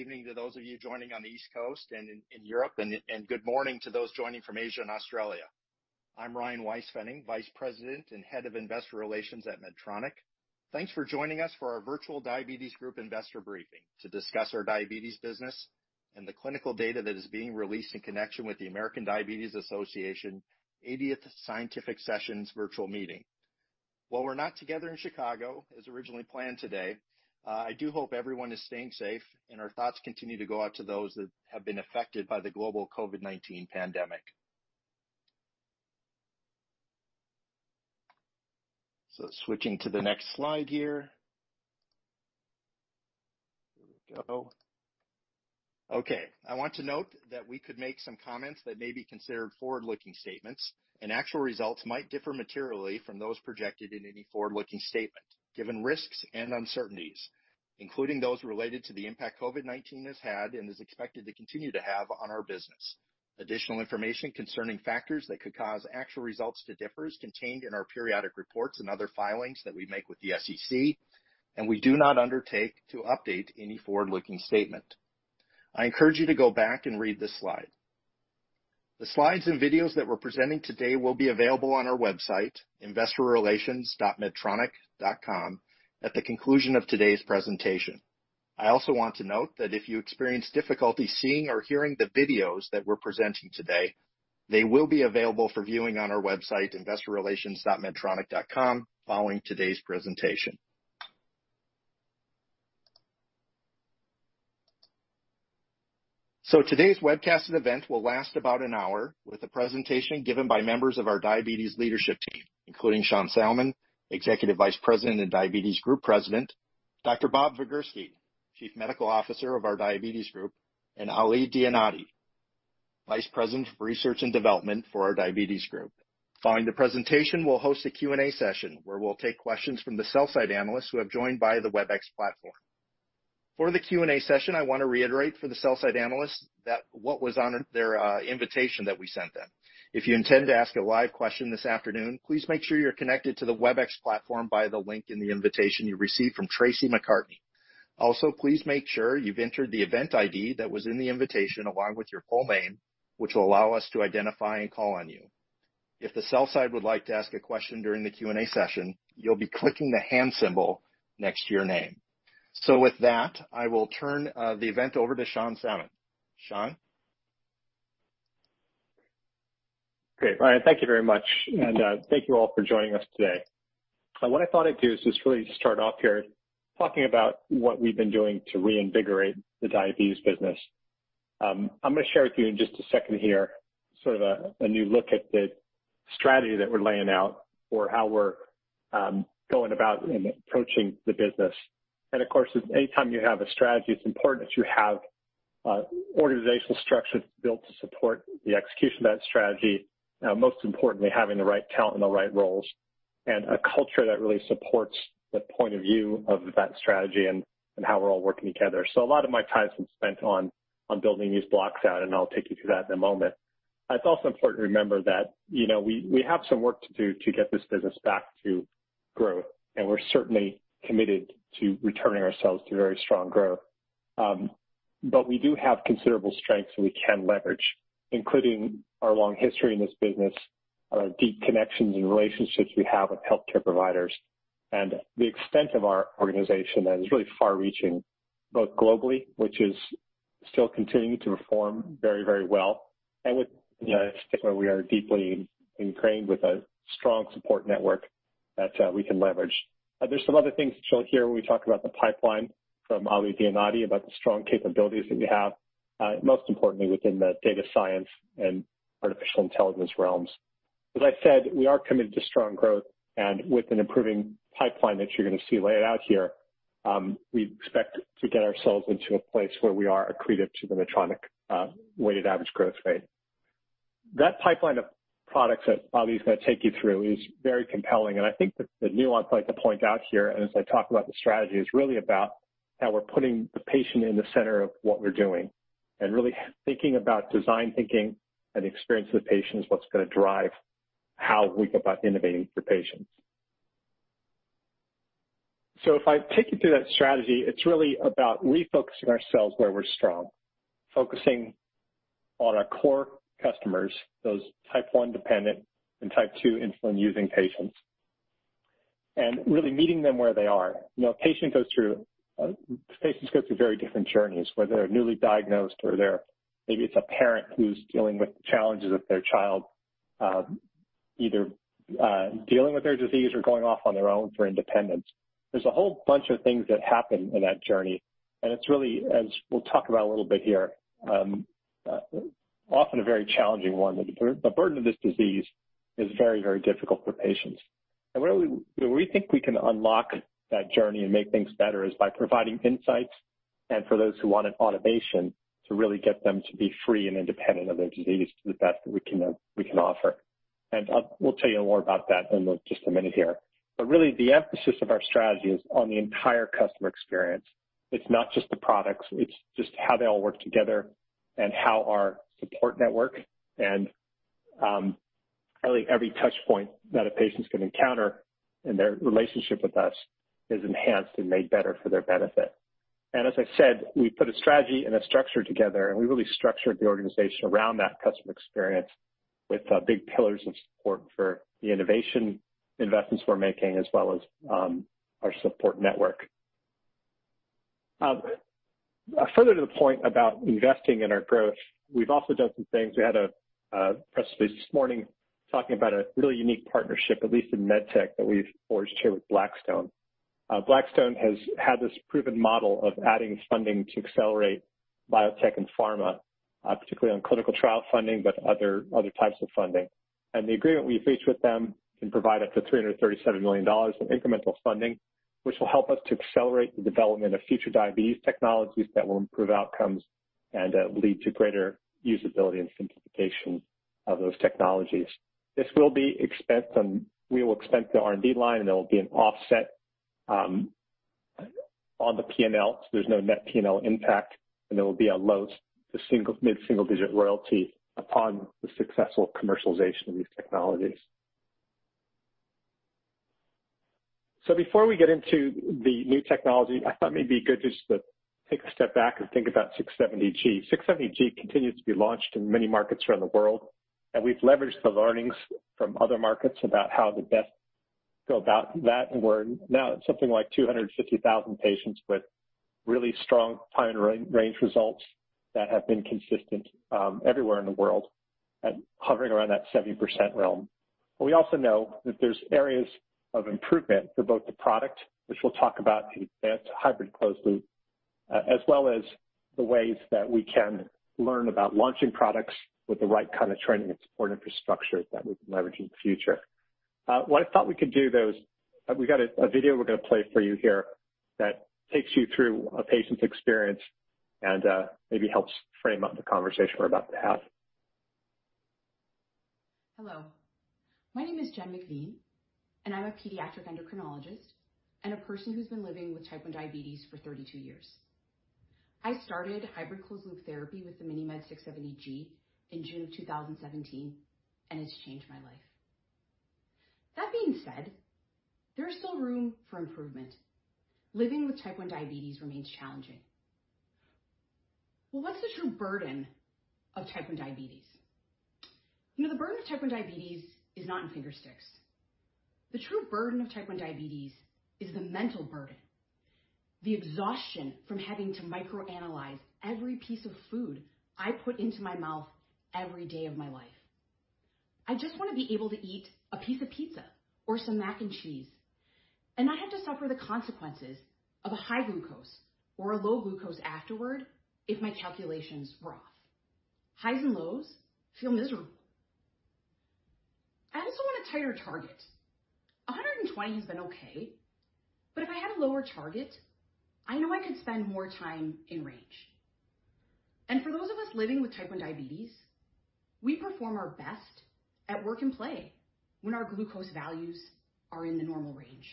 Evening to those you joining on the East Coast and in Europe, and good morning to those joining from Asia and Australia. I'm Ryan Weispfenning, Vice President and Head of Investor Relations at Medtronic. Thanks for joining us for our virtual diabetes group investor briefing to discuss our diabetes business and the clinical data that is being released in connection with the American Diabetes Association 80th Scientific Sessions virtual meeting. While we're not together in Chicago as originally planned today, I do hope everyone is staying safe, and our thoughts continue to go out to those that have been affected by the global COVID-19 pandemic. Switching to the next slide here. Here we go. Okay. I want to note that we could make some comments that may be considered forward-looking statements, and actual results might differ materially from those projected in any forward-looking statement, given risks and uncertainties, including those related to the impact COVID-19 has had and is expected to continue to have on our business. Additional information concerning factors that could cause actual results to differ is contained in our periodic reports and other filings that we make with the SEC, and we do not undertake to update any forward-looking statement. I encourage you to go back and read this slide. The slides and videos that we're presenting today will be available on our website, investorrelations.medtronic.com, at the conclusion of today's presentation. I also want to note that if you experience difficulty seeing or hearing the videos that we're presenting today, they will be available for viewing on our website, investorrelations.medtronic.com, following today's presentation. Today's webcasted event will last about an hour, with a presentation given by members of our diabetes leadership team, including Sean Salmon, Executive Vice President and Diabetes Group President, Dr. Bob Vigersky, Chief Medical Officer of our diabetes group, and Ali Dianaty, Vice President of Research and Development for our diabetes group. Following the presentation, we'll host a Q&A session where we'll take questions from the sell-side analysts who have joined by the Webex platform. For the Q&A session, I want to reiterate for the sell-side analysts what was on their invitation that we sent them. If you intend to ask a live question this afternoon, please make sure you're connected to the Webex platform by the link in the invitation you received from Tracy McCartney. Also, please make sure you've entered the event ID that was in the invitation along with your full name, which will allow us to identify and call on you. If the sell side would like to ask a question during the Q&A session, you'll be clicking the hand symbol next to your name. With that, I will turn the event over to Sean Salmon. Sean? Great, Ryan, thank you very much. Thank you all for joining us today. What I thought I'd do is just really start off here talking about what we've been doing to reinvigorate the diabetes business. I'm going to share with you in just a second here sort of a new look at the strategy that we're laying out for how we're going about approaching the business. Of course, any time you have a strategy, it's important that you have organizational structure built to support the execution of that strategy. Most importantly, having the right talent and the right roles, and a culture that really supports the point of view of that strategy and how we're all working together. A lot of my time's been spent on building these blocks out, and I'll take you through that in a moment. It's also important to remember that we have some work to do to get this business back to growth, and we're certainly committed to returning ourselves to very strong growth. We do have considerable strengths that we can leverage, including our long history in this business, our deep connections and relationships we have with healthcare providers, and the extent of our organization that is really far reaching, both globally, which is still continuing to perform very well and with the United States, where we are deeply ingrained with a strong support network that we can leverage. There's some other things that you'll hear when we talk about the pipeline from Ali Dianaty about the strong capabilities that we have, most importantly within the data science and artificial intelligence realms. As I said, we are committed to strong growth and with an improving pipeline that you're going to see laid out here, we expect to get ourselves into a place where we are accretive to the Medtronic weighted average growth rate. That pipeline of products that Ali's going to take you through is very compelling, and I think the nuance I'd like to point out here, and as I talk about the strategy, is really about how we're putting the patient in the center of what we're doing and really thinking about design thinking and the experience of the patient is what's going to drive how we go about innovating for patients. If I take you through that strategy, it's really about refocusing ourselves where we're strong, focusing on our core customers, those type 1 dependent and type 2 insulin-using patients, and really meeting them where they are. Patients go through very different journeys, whether newly diagnosed or maybe it's a parent who's dealing with the challenges of their child, either dealing with their disease or going off on their own for independence. There's a whole bunch of things that happen in that journey, and it's really, as we'll talk about a little bit here, often a very challenging one. The burden of this disease is very difficult for patients. Where we think we can unlock that journey and make things better is by providing insights and for those who want an automation, to really get them to be free and independent of their disease to the best that we can offer. We'll tell you more about that in just a minute here. Really, the emphasis of our strategy is on the entire customer experience. It's not just the products, it's just how they all work together and how our support network and really every touch point that a patient can encounter in their relationship with us is enhanced and made better for their benefit. As I said, we put a strategy and a structure together, and we really structured the organization around that customer experience with big pillars of support for the innovation investments we're making as well as our support network. Further to the point about investing in our growth, we've also done some things. We had a press release this morning talking about a really unique partnership, at least in med tech, that we've forged here with Blackstone. Blackstone has had this proven model of adding funding to accelerate biotech and pharma, particularly on clinical trial funding, but other types of funding. The agreement we've reached with them can provide up to $337 million of incremental funding, which will help us to accelerate the development of future diabetes technologies that will improve outcomes and lead to greater usability and simplification of those technologies. We will expense the R&D line, and there will be an offset on the P&L, so there's no net P&L impact, and there will be a low to mid-single-digit royalty upon the successful commercialization of these technologies. Before we get into the new technology, I thought it may be good just to take a step back and think about 670G. 670G continues to be launched in many markets around the world, and we've leveraged the learnings from other markets about how to best go about that, and we're now at something like 250,000 patients with really strong Time in Range results that have been consistent everywhere in the world and hovering around that 70% realm. We also know that there's areas of improvement for both the product, which we'll talk about, the Advanced Hybrid Closed Loop, as well as the ways that we can learn about launching products with the right kind of training and support infrastructure that we can leverage in the future. What I thought we could do, though, is we've got a video we're going to play for you here that takes you through a patient's experience and maybe helps frame up the conversation we're about to have. Hello. My name is Jen McVean, and I'm a pediatric endocrinologist and a person who's been living with type 1 diabetes for 32 years. I started hybrid closed loop therapy with the MiniMed 670G in June of 2017, and it's changed my life. That being said, there is still room for improvement. Living with type 1 diabetes remains challenging. Well, what's the true burden of type 1 diabetes? The burden of type 1 diabetes is not in finger sticks. The true burden of type 1 diabetes is the mental burden, the exhaustion from having to micro-analyze every piece of food I put into my mouth every day of my life. I just want to be able to eat a piece of pizza or some mac and cheese, and not have to suffer the consequences of a high glucose or a low glucose afterward if my calculations were off. Highs and lows feel miserable. I also want a tighter target. 120 has been okay, but if I had a lower target, I know I could spend more Time in Range. For those of us living with type 1 diabetes, we perform our best at work and play when our glucose values are in the normal range.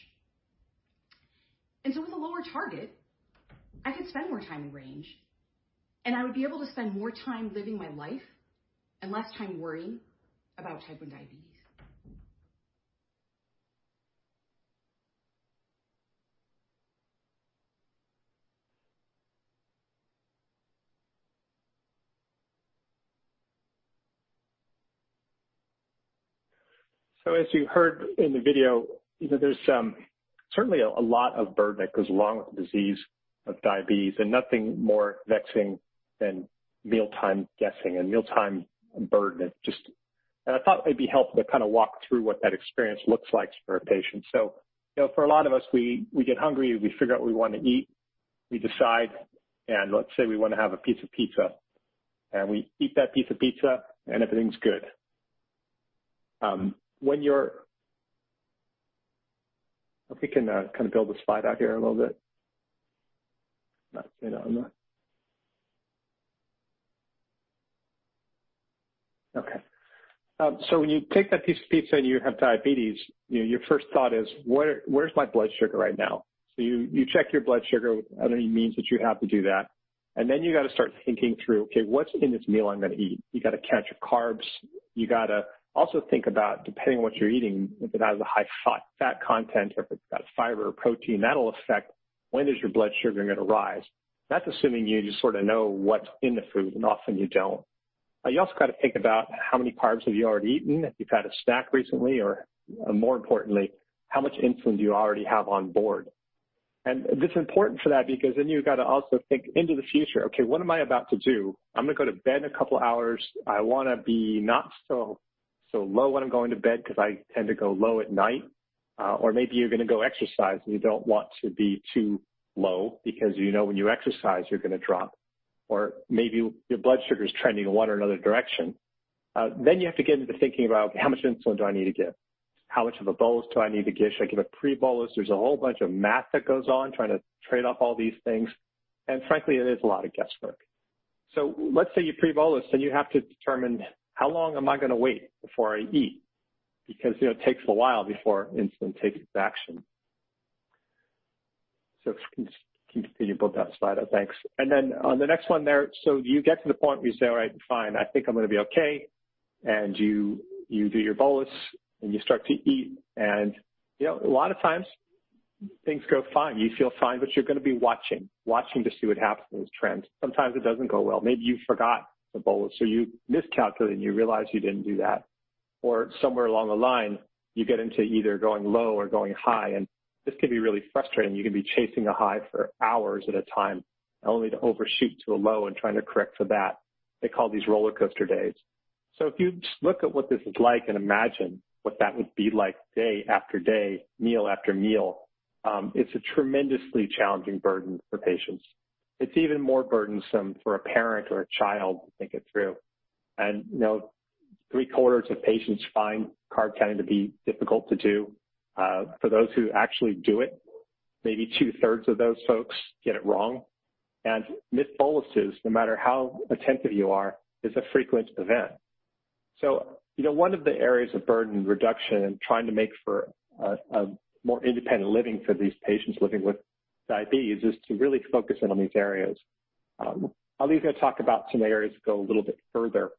With a lower target, I could spend more Time in Range, and I would be able to spend more time living my life and less time worrying about type 1 diabetes. As you heard in the video, there's certainly a lot of burden that goes along with the disease of diabetes, and nothing more vexing than mealtime guessing and mealtime burden. I thought it'd be helpful to kind of walk through what that experience looks like for a patient. For a lot of us, we get hungry, we figure out what we want to eat, we decide, and let's say we want to have a piece of pizza, and we eat that piece of pizza and everything's good. If we can kind of build the slide out here a little bit. No, I'm not okay. When you take that piece of pizza and you have diabetes, your first thought is, "Where's my blood sugar right now?" You check your blood sugar with any means that you have to do that, then you got to start thinking through, "Okay, what's in this meal I'm going to eat?" You got to count your carbs. You got to also think about, depending on what you're eating, if it has a high fat content or if it's got fiber or protein, that'll affect when does your blood sugar going to rise. That's assuming you just sort of know what's in the food, and often you don't. You also got to think about how many carbs have you already eaten, if you've had a snack recently or, more importantly, how much insulin do you already have on board. It's important for that because then you've got to also think into the future, "Okay, what am I about to do? I'm going to go to bed in a couple of hours. I want to be not so low when I'm going to bed because I tend to go low at night." Maybe you're going to go exercise, and you don't want to be too low because you know when you exercise, you're going to drop. Maybe your blood sugar is trending in one or another direction. You have to get into thinking about, how much insulin do I need to give? How much of a bolus do I need to give? Should I give a pre-bolus? There's a whole bunch of math that goes on trying to trade off all these things, and frankly, it is a lot of guesswork. Let's say you pre-bolus, you have to determine how long am I going to wait before I eat? It takes a while before insulin takes action. Can you put that slide up? Thanks. On the next one there, you get to the point where you say, "All right, fine. I think I'm going to be okay," and you do your bolus and you start to eat. A lot of times things go fine. You feel fine, but you're going to be watching to see what happens in those trends. Sometimes it doesn't go well. Maybe you forgot the bolus, so you miscalculated and you realize you didn't do that. Somewhere along the line, you get into either going low or going high, and this can be really frustrating. You can be chasing a high for hours at a time, only to overshoot to a low and trying to correct for that. They call these rollercoaster days. If you just look at what this is like and imagine what that would be like day after day, meal after meal, it's a tremendously challenging burden for patients. It's even more burdensome for a parent or a child to think it through. Three-quarters of patients find carb counting to be difficult to do. For those who actually do it, maybe two-thirds of those folks get it wrong, and missed boluses, no matter how attentive you are, is a frequent event. One of the areas of burden reduction and trying to make for a more independent living for these patients living with diabetes is to really focus in on these areas. Ali's going to talk about some areas that go a little bit further.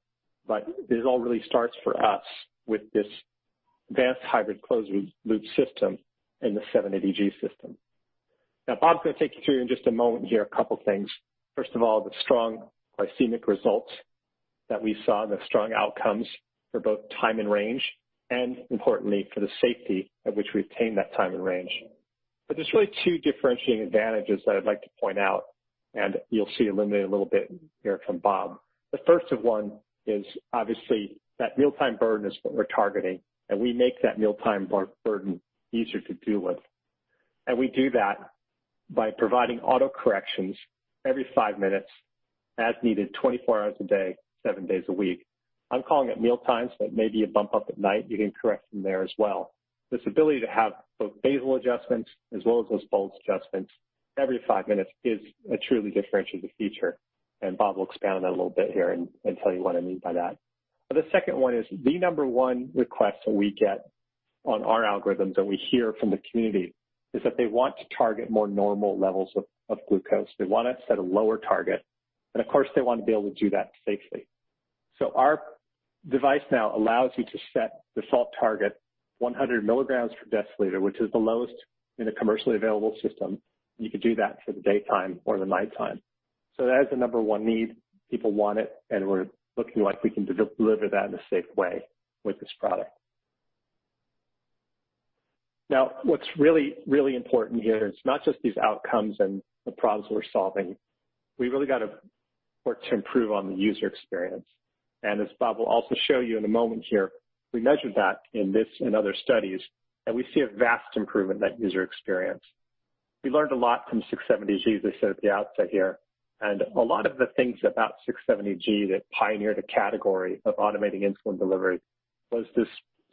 This all really starts for us with this Advanced Hybrid Closed Loop system and the 780G system. Bob's going to take you through in just a moment here, a couple of things. First of all, the strong glycemic results that we saw and the strong outcomes for both Time in Range, and importantly, for the safety at which we obtain that Time in Range. There's really two differentiating advantages that I'd like to point out, and you'll see illuminated a little bit here from Bob. The first of one is obviously that mealtime burden is what we're targeting, and we make that mealtime burden easier to deal with. We do that by providing auto corrections every five minutes as needed, 24 hours a day, seven days a week. I'm calling it mealtime, maybe a bump up at night. You can correct from there as well. This ability to have both basal adjustments as well as those bolus adjustments every five minutes is a truly differentiating feature, and Bob will expand on that a little bit here and tell you what I mean by that. The second one is the number one request that we get on our algorithms and we hear from the community is that they want to target more normal levels of glucose. They want to set a lower target, and of course, they want to be able to do that safely. Our device now allows you to set default target 100 milligrams per deciliter, which is the lowest in a commercially available system, and you can do that for the daytime or the nighttime. That is the number one need. People want it, and we're looking like we can deliver that in a safe way with this product. Now, what's really, really important here is not just these outcomes and the problems we're solving. We've really got to work to improve on the user experience. As Bob will also show you in a moment here, we measured that in this and other studies, and we see a vast improvement in that user experience. We learned a lot from 670G, as I said at the outset here. A lot of the things about 670G that pioneered a category of automating insulin delivery was this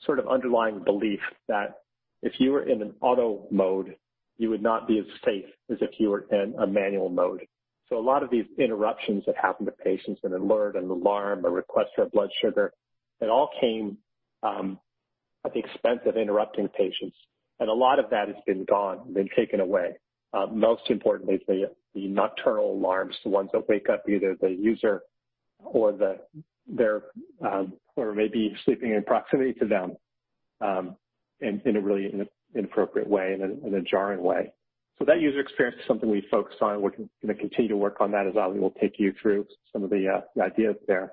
sort of underlying belief that if you were in an Auto Mode, you would not be as safe as if you were in a manual mode. A lot of these interruptions that happened to patients, an alert, an alarm, a request for blood sugar, it all came at the expense of interrupting patients. A lot of that has been taken away. Most importantly, the nocturnal alarms, the ones that wake up either the user or maybe sleeping in proximity to them, in a really inappropriate way and a jarring way. That user experience is something we focus on. We're going to continue to work on that, as Ali will take you through some of the ideas there.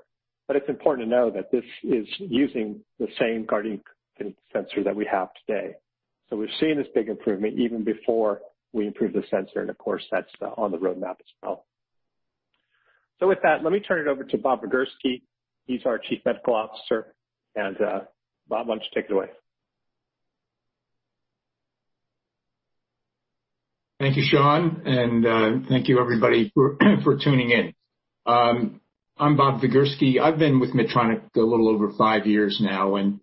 It's important to know that this is using the same Guardian sensor that we have today. We've seen this big improvement even before we improved the sensor, and of course, that's on the roadmap as well. With that, let me turn it over to Bob Vigersky. He's our Chief Medical Officer, and Bob, why don't you take it away? Thank you, Sean. Thank you, everybody, for tuning in. I'm Bob Vigersky. I've been with Medtronic a little over five years now, and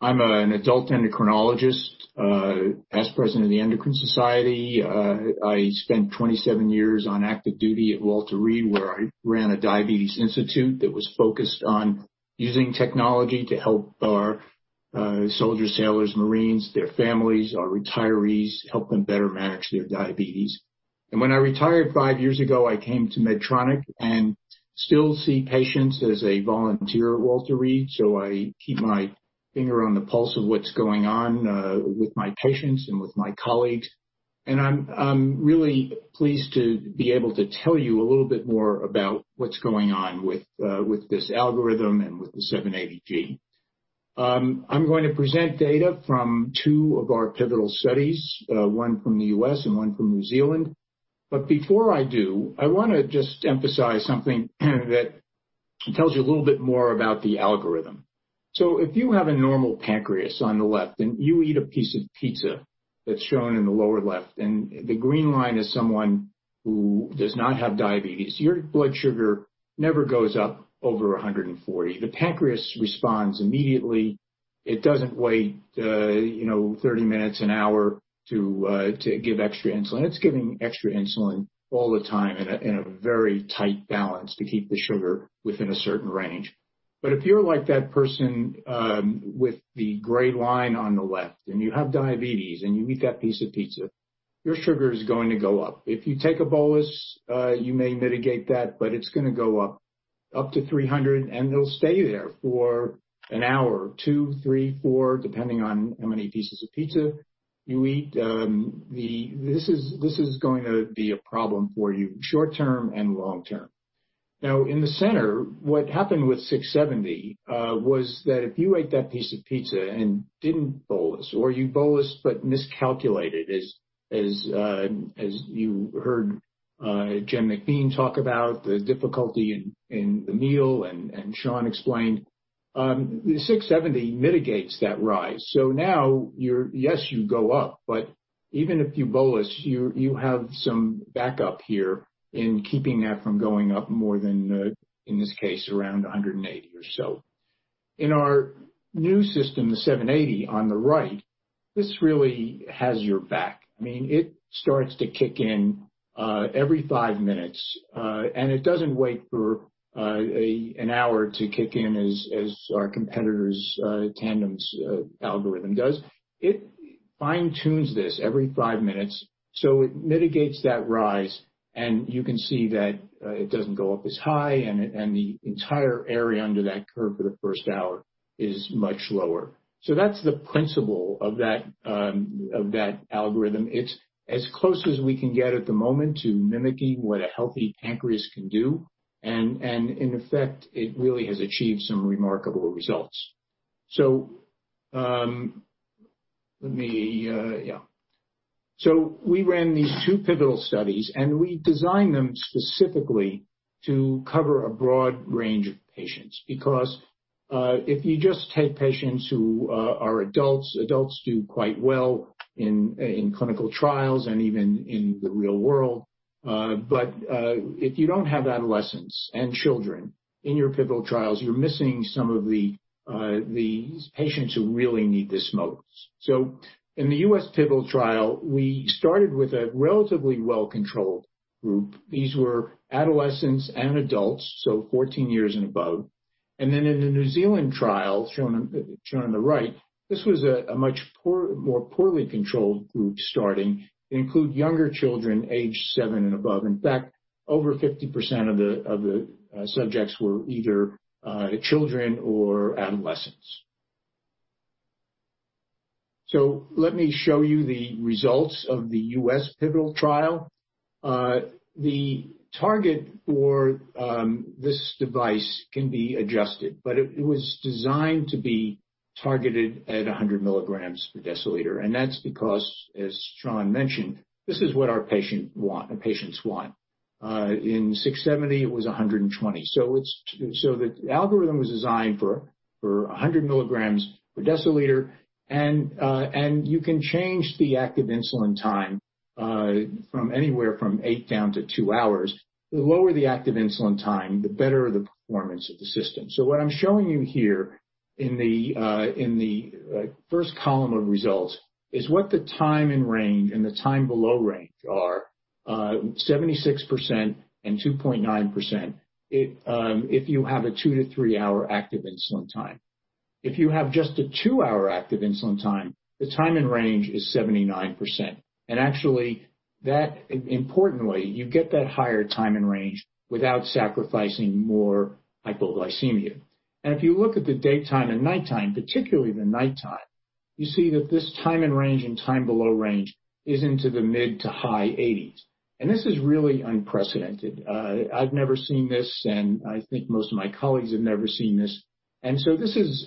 I'm an adult endocrinologist. Past president of the Endocrine Society. I spent 27 years on active duty at Walter Reed, where I ran a diabetes institute that was focused on using technology to help our soldiers, sailors, marines, their families, our retirees, help them better manage their diabetes. When I retired five years ago, I came to Medtronic and still see patients as a volunteer at Walter Reed. I keep my finger on the pulse of what's going on with my patients and with my colleagues. I'm really pleased to be able to tell you a little bit more about what's going on with this algorithm and with the 780G. I'm going to present data from two of our pivotal studies, one from the U.S. and one from New Zealand. Before I do, I want to just emphasize something that tells you a little bit more about the algorithm. If you have a normal pancreas on the left and you eat a piece of pizza that's shown in the lower left, and the green line is someone who does not have diabetes, your blood sugar never goes up over 140. The pancreas responds immediately. It doesn't wait 30 minutes, an hour to give extra insulin. It's giving extra insulin all the time in a very tight balance to keep the sugar within a certain range. If you're like that person with the gray line on the left, and you have diabetes, and you eat that piece of pizza, your sugar is going to go up. If you take a bolus, you may mitigate that, but it's going to go up to 300, and it'll stay there for an hour or two, three, four, depending on how many pieces of pizza you eat. This is going to be a problem for you short-term and long-term. In the center, what happened with 670G was that if you ate that piece of pizza and didn't bolus, or you bolused but miscalculated, as you heard Jen McVean talk about the difficulty in the meal and Sean explained, the 670G mitigates that rise. Now, yes, you go up, but even if you bolus, you have some backup here in keeping that from going up more than, in this case, around 180 or so. In our new system, the 780G, on the right, this really has your back. It starts to kick in every five minutes, and it doesn't wait for an hour to kick in as our competitor's, Tandem's, algorithm does. It fine-tunes this every five minutes, so it mitigates that rise, and you can see that it doesn't go up as high, and the entire area under that curve for the first hour is much lower. That's the principle of that algorithm. It's as close as we can get at the moment to mimicking what a healthy pancreas can do, and in effect, it really has achieved some remarkable results. We ran these two pivotal studies, and we designed them specifically to cover a broad range of patients because if you just take patients who are adults do quite well in clinical trials and even in the real world. If you don't have adolescents and children in your pivotal trials, you're missing some of the patients who really need this most. In the U.S. pivotal trial, we started with a relatively well-controlled group. These were adolescents and adults, so 14 years and above. In the New Zealand trial, shown on the right, this was a much more poorly controlled group starting. It include younger children age 7 and above. In fact, over 50% of the subjects were either children or adolescents. Let me show you the results of the U.S. pivotal trial. The target for this device can be adjusted, but it was designed to be targeted at 100 milligrams per deciliter, and that's because, as Sean mentioned, this is what our patients want. In 670G, it was 120. The algorithm was designed for 100 milligrams per deciliter, and you can change the active insulin time from anywhere from eight down to two hours. The lower the active insulin time, the better the performance of the system. What I'm showing you here in the first column of results is what the Time in Range and the Time Below Range are, 76% and 2.9%, if you have a two to three-hour active insulin time. If you have just a two-hour active insulin time, the Time in Range is 79%. Actually, importantly, you get that higher Time in Range without sacrificing more hypoglycemia. If you look at the daytime and nighttime, particularly the nighttime, you see that this Time in Range and Time Below Range is into the mid to high 80s. This is really unprecedented. I've never seen this, and I think most of my colleagues have never seen this. This is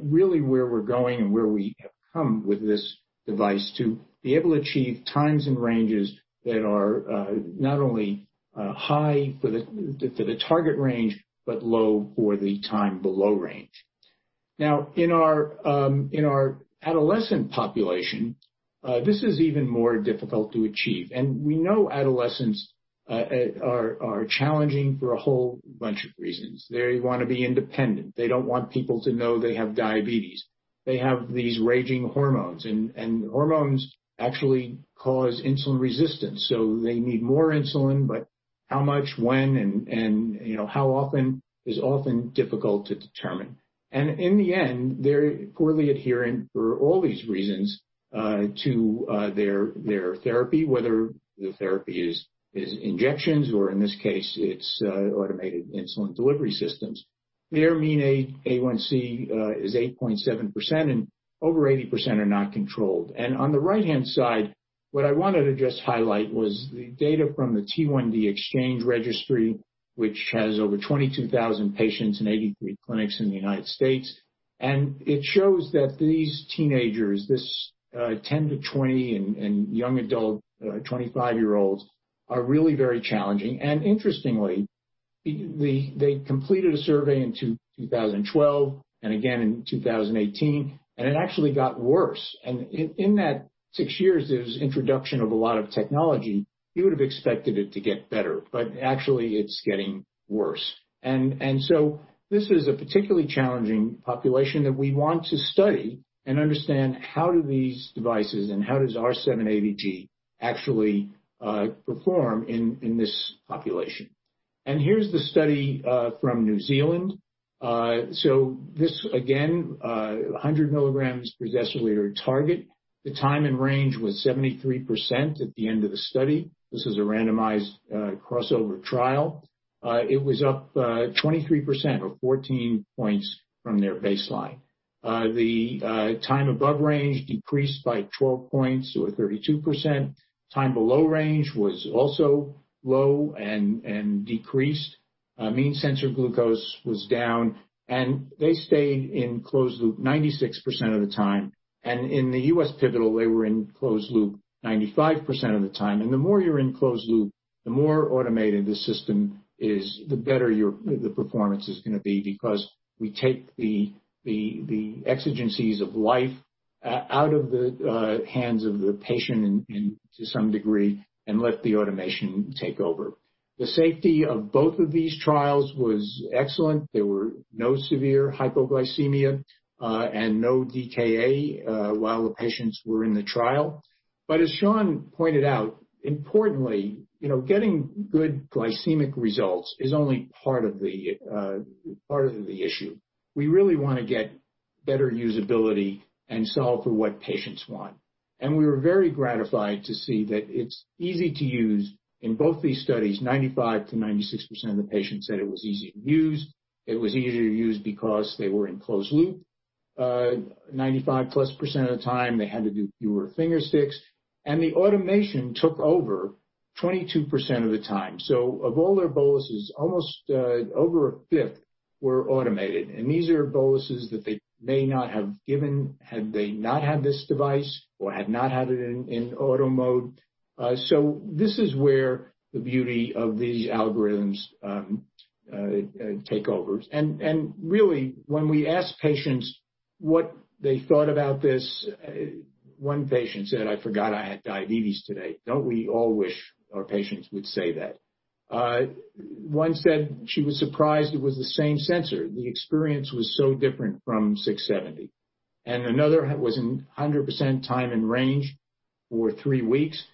really where we're going and where we have come with this device to be able to achieve times and ranges that are not only high for the target range but low for the Time Below Range. Now, in our adolescent population, this is even more difficult to achieve. We know adolescents are challenging for a whole bunch of reasons. They want to be independent. They don't want people to know they have diabetes. They have these raging hormones, and hormones actually cause insulin resistance. They need more insulin, but how much, when, and how often is often difficult to determine. In the end, they're poorly adherent for all these reasons to their therapy, whether the therapy is injections or, in this case, it's automated insulin delivery systems. Their mean A1C is 8.7%, over 80% are not controlled. On the right-hand side, what I wanted to just highlight was the data from the T1D Exchange Registry, which has over 22,000 patients in 83 clinics in the United States. It shows that these teenagers, this 10 to 20 and young adult 25-year-olds, are really very challenging. Interestingly, they completed a survey in 2012 and again in 2018, and it actually got worse. In that six years, there was introduction of a lot of technology. You would have expected it to get better, but actually, it's getting worse. This is a particularly challenging population that we want to study and understand how do these devices, and how does our 780G actually perform in this population? Here's the study from New Zealand. This, again, 100 milligrams per deciliter target. The Time in Range was 73% at the end of the study. This is a randomized crossover trial. It was up 23% or 14 points from their baseline. The time above range decreased by 12 points, or 32%. Time Below Range was also low and decreased. Mean sensor glucose was down, and they stayed in closed loop 96% of the time. In the U.S. pivotal, they were in closed loop 95% of the time. The more you're in closed loop, the more automated the system is, the better the performance is going to be because we take the exigencies of life out of the hands of the patient to some degree, and let the automation take over. The safety of both of these trials was excellent. There were no severe hypoglycemia and no DKA while the patients were in the trial. As Sean pointed out, importantly, getting good glycemic results is only part of the issue. We really want to get better usability and solve for what patients want. We were very gratified to see that it's easy to use. In both these studies, 95%-96% of the patients said it was easy to use. It was easier to use because they were in closed loop 95% plus of the time. They had to do fewer finger sticks, and the automation took over 22% of the time. Of all their boluses, almost over a fifth were automated. These are boluses that they may not have given had they not had this device or had not had it in Auto Mode. This is where the beauty of these algorithms take over. Really, when we asked patients what they thought about this, one patient said, "I forgot I had diabetes today." Don't we all wish our patients would say that? One said she was surprised it was the same sensor. The experience was so different from 670G. Another was in 100% Time in Range for three weeks.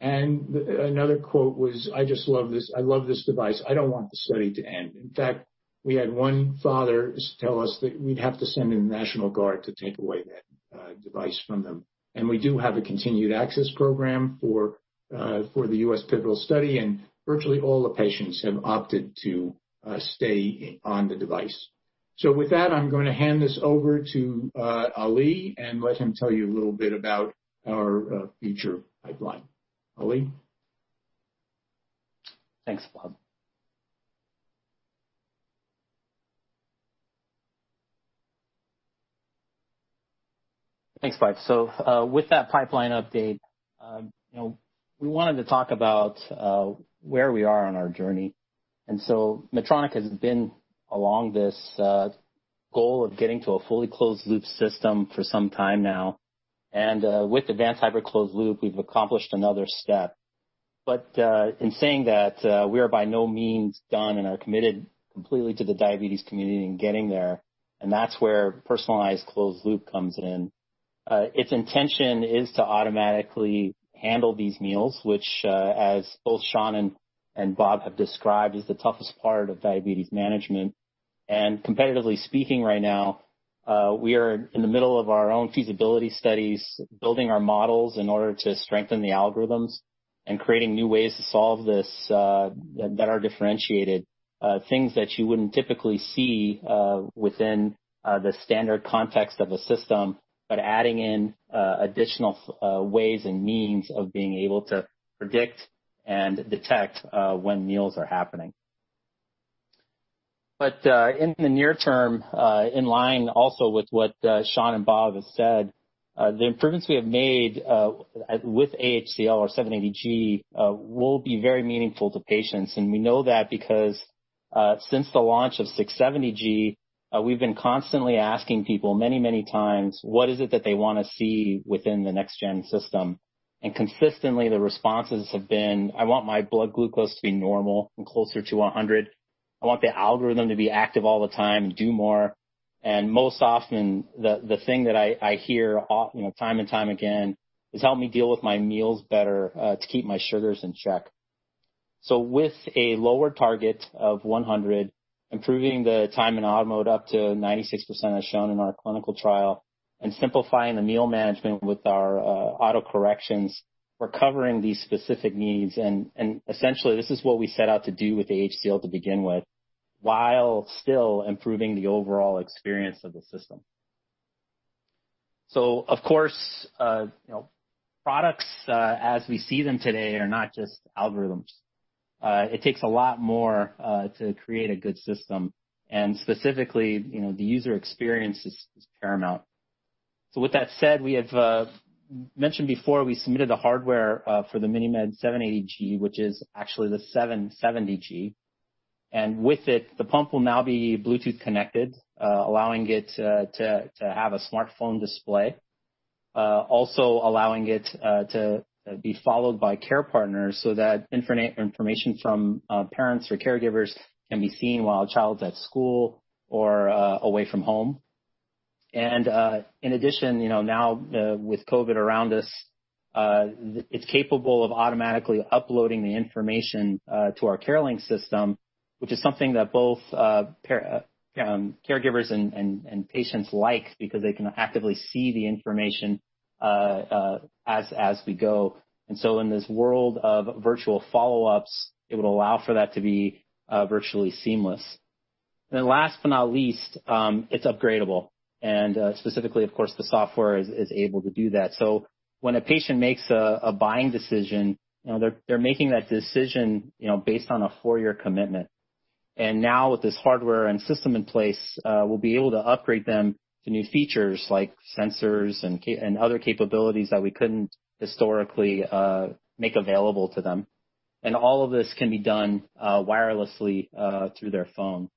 Another quote was, "I just love this. I love this device. I don't want the study to end." In fact, we had one father tell us that we'd have to send in the National Guard to take away that device from them. We do have a continued access program for the U.S. pivotal study, and virtually all the patients have opted to stay on the device. With that, I'm going to hand this over to Ali and let him tell you a little bit about our future pipeline. Ali? Thanks, Bob. Thanks, Bob. With that pipeline update, we wanted to talk about where we are on our journey. Medtronic has been along this goal of getting to a fully closed-loop system for some time now. With Advanced Hybrid Closed Loop, we've accomplished another step. In saying that, we are by no means done and are committed completely to the diabetes community in getting there, and that's where Personalized Closed Loop comes in. Its intention is to automatically handle these meals, which, as both Sean and Bob have described, is the toughest part of diabetes management. Competitively speaking right now, we are in the middle of our own feasibility studies, building our models in order to strengthen the algorithms and creating new ways to solve this that are differentiated, things that you wouldn't typically see within the standard context of a system, but adding in additional ways and means of being able to predict and detect when meals are happening. In the near term, in line also with what Sean and Bob have said, the improvements we have made with AHCL or 780G will be very meaningful to patients. We know that because since the launch of 670G, we've been constantly asking people many, many times, what is it that they want to see within the next-gen system? Consistently, the responses have been, "I want my blood glucose to be normal and closer to 100. I want the algorithm to be active all the time and do more." Most often, the thing that I hear time and time again is, "Help me deal with my meals better to keep my sugars in check." With a lower target of 100, improving the Time in Auto Mode up to 96%, as shown in our clinical trial, and simplifying the meal management with our auto corrections, we're covering these specific needs. Essentially, this is what we set out to do with AHCL to begin with, while still improving the overall experience of the system. Of course, products as we see them today are not just algorithms. It takes a lot more to create a good system. Specifically, the user experience is paramount. With that said, we have mentioned before, we submitted the hardware for the MiniMed 780G, which is actually the 770G. With it, the pump will now be Bluetooth connected, allowing it to have a smartphone display. Also allowing it to be followed by care partners so that information from parents or caregivers can be seen while a child's at school or away from home. In addition, now with COVID around us, it's capable of automatically uploading the information to our CareLink system, which is something that both caregivers and patients like because they can actively see the information as we go. In this world of virtual follow-ups, it would allow for that to be virtually seamless. Last but not least, it's upgradable. Specifically, of course, the software is able to do that. When a patient makes a buying decision, they're making that decision based on a four-year commitment. Now with this hardware and system in place, we'll be able to upgrade them to new features like sensors and other capabilities that we couldn't historically make available to them. All of this can be done wirelessly through their phone.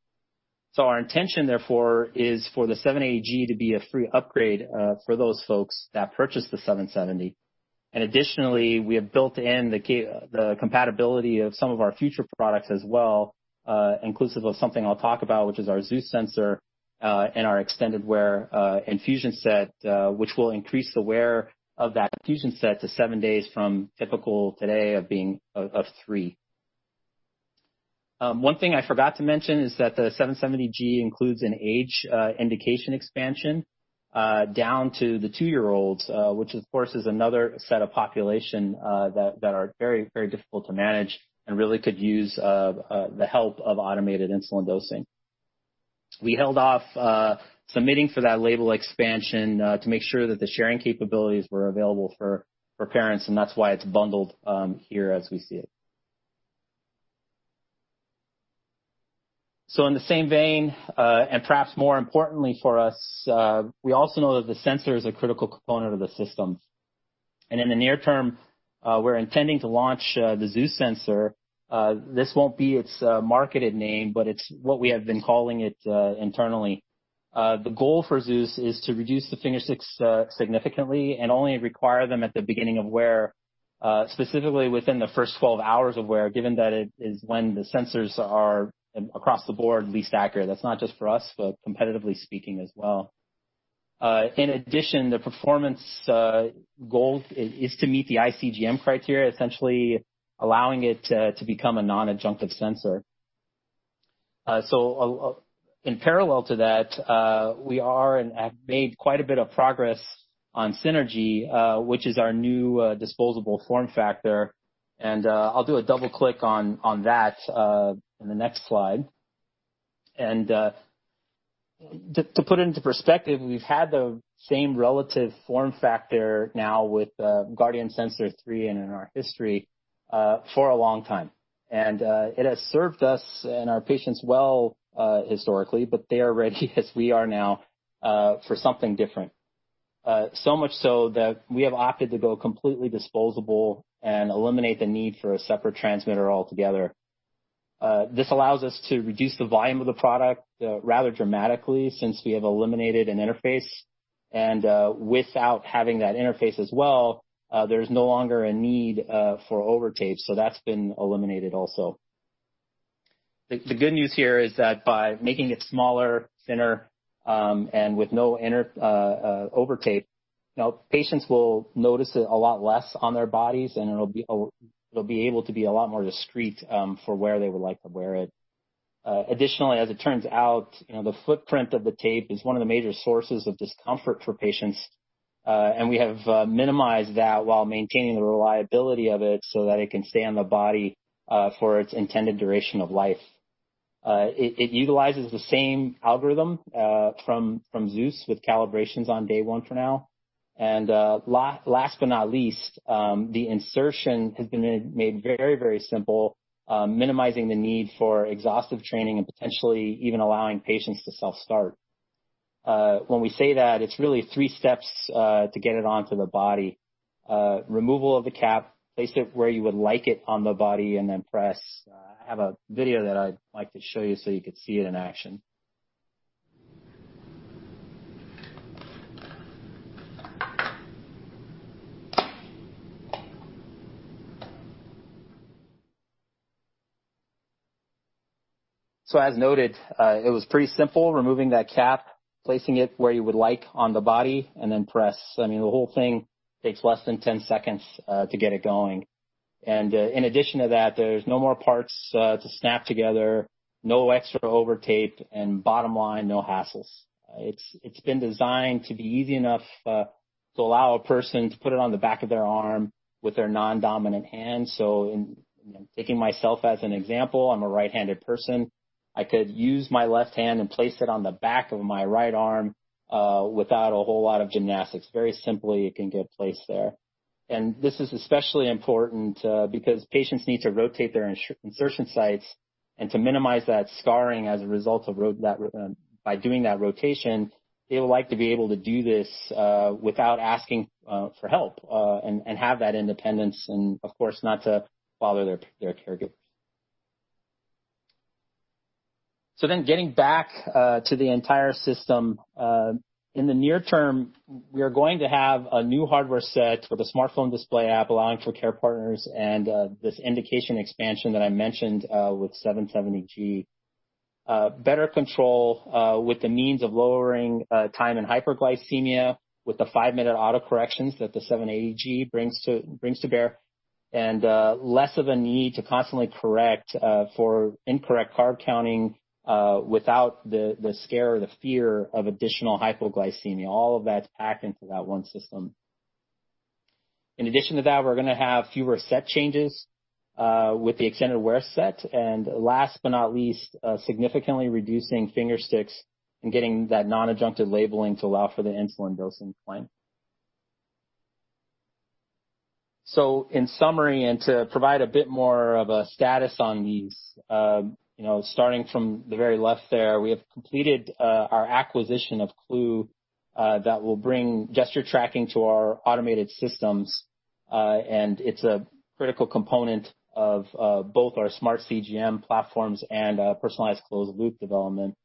Our intention, therefore, is for the 780G to be a free upgrade for those folks that purchase the 770G. Additionally, we have built in the compatibility of some of our future products as well, inclusive of something I'll talk about, which is our Zeus sensor, and our Extended infusion set, which will increase the wear of that infusion set to seven days from typical today of three. One thing I forgot to mention is that the 770G includes an age indication expansion down to the 2-year-olds, which of course is another set of population that are very, very difficult to manage and really could use the help of automated insulin dosing. We held off submitting for that label expansion to make sure that the sharing capabilities were available for parents, and that's why it's bundled here as we see it. In the same vein, and perhaps more importantly for us, we also know that the sensor is a critical component of the system. In the near term, we're intending to launch the Zeus sensor. This won't be its marketed name, but it's what we have been calling it internally. The goal for Zeus is to reduce the finger sticks significantly and only require them at the beginning of wear, specifically within the first 12 hours of wear, given that it is when the sensors are, across the board, least accurate. That's not just for us, but competitively speaking as well. In addition, the performance goal is to meet the iCGM criteria, essentially allowing it to become a non-adjunctive sensor. In parallel to that, we are and have made quite a bit of progress on Synergy, which is our new disposable form factor, and I'll do a double click on that in the next slide. To put it into perspective, we've had the same relative form factor now with Guardian Sensor 3 and in our history for a long time. It has served us and our patients well historically, they are ready as we are now for something different. Much so that we have opted to go completely disposable and eliminate the need for a separate transmitter altogether. This allows us to reduce the volume of the product rather dramatically since we have eliminated an interface. Without having that interface as well, there's no longer a need for overtape, that's been eliminated also. The good news here is that by making it smaller, thinner, and with no overtape, now patients will notice it a lot less on their bodies, and it'll be able to be a lot more discreet for where they would like to wear it. Additionally, as it turns out, the footprint of the tape is one of the major sources of discomfort for patients, and we have minimized that while maintaining the reliability of it so that it can stay on the body, for its intended duration of life. It utilizes the same algorithm from Zeus with calibrations on day one for now. Last but not least, the insertion has been made very, very simple, minimizing the need for exhaustive training and potentially even allowing patients to self-start. When we say that, it's really three steps to get it onto the body. Removal of the cap, place it where you would like it on the body, and then press. I have a video that I'd like to show you so you could see it in action. As noted, it was pretty simple removing that cap, placing it where you would like on the body and then press. I mean, the whole thing takes less than 10 seconds to get it going. In addition to that, there's no more parts to snap together, no extra overtape, and bottom line, no hassles. It's been designed to be easy enough to allow a person to put it on the back of their arm with their non-dominant hand. Taking myself as an example, I'm a right-handed person. I could use my left hand and place it on the back of my right arm without a whole lot of gymnastics. Very simply, it can get placed there. This is especially important because patients need to rotate their insertion sites, and to minimize that scarring as a result by doing that rotation, they would like to be able to do this without asking for help, and have that independence and, of course, not to bother their caregivers. Getting back to the entire system. In the near term, We are going to have a new hardware set for the smartphone display app, allowing for CarePartner and this indication expansion that I mentioned with 770G. Better control with the means of lowering time in hyperglycemia with the five-minute autocorrections that the 780G brings to bear, and less of a need to constantly correct for incorrect carb counting without the scare or the fear of additional hypoglycemia. All of that's packed into that one system. In addition to that, we're going to have fewer set changes with the extended wear set. Last but not least, significantly reducing finger sticks and getting that non-adjunctive labeling to allow for the insulin dosing claim. In summary, and to provide a bit more of a status on these, starting from the very left there, we have completed our acquisition of Klue that will bring gesture tracking to our automated systems. It's a critical component of both our smart CGM platforms and Personalized Closed Loop development.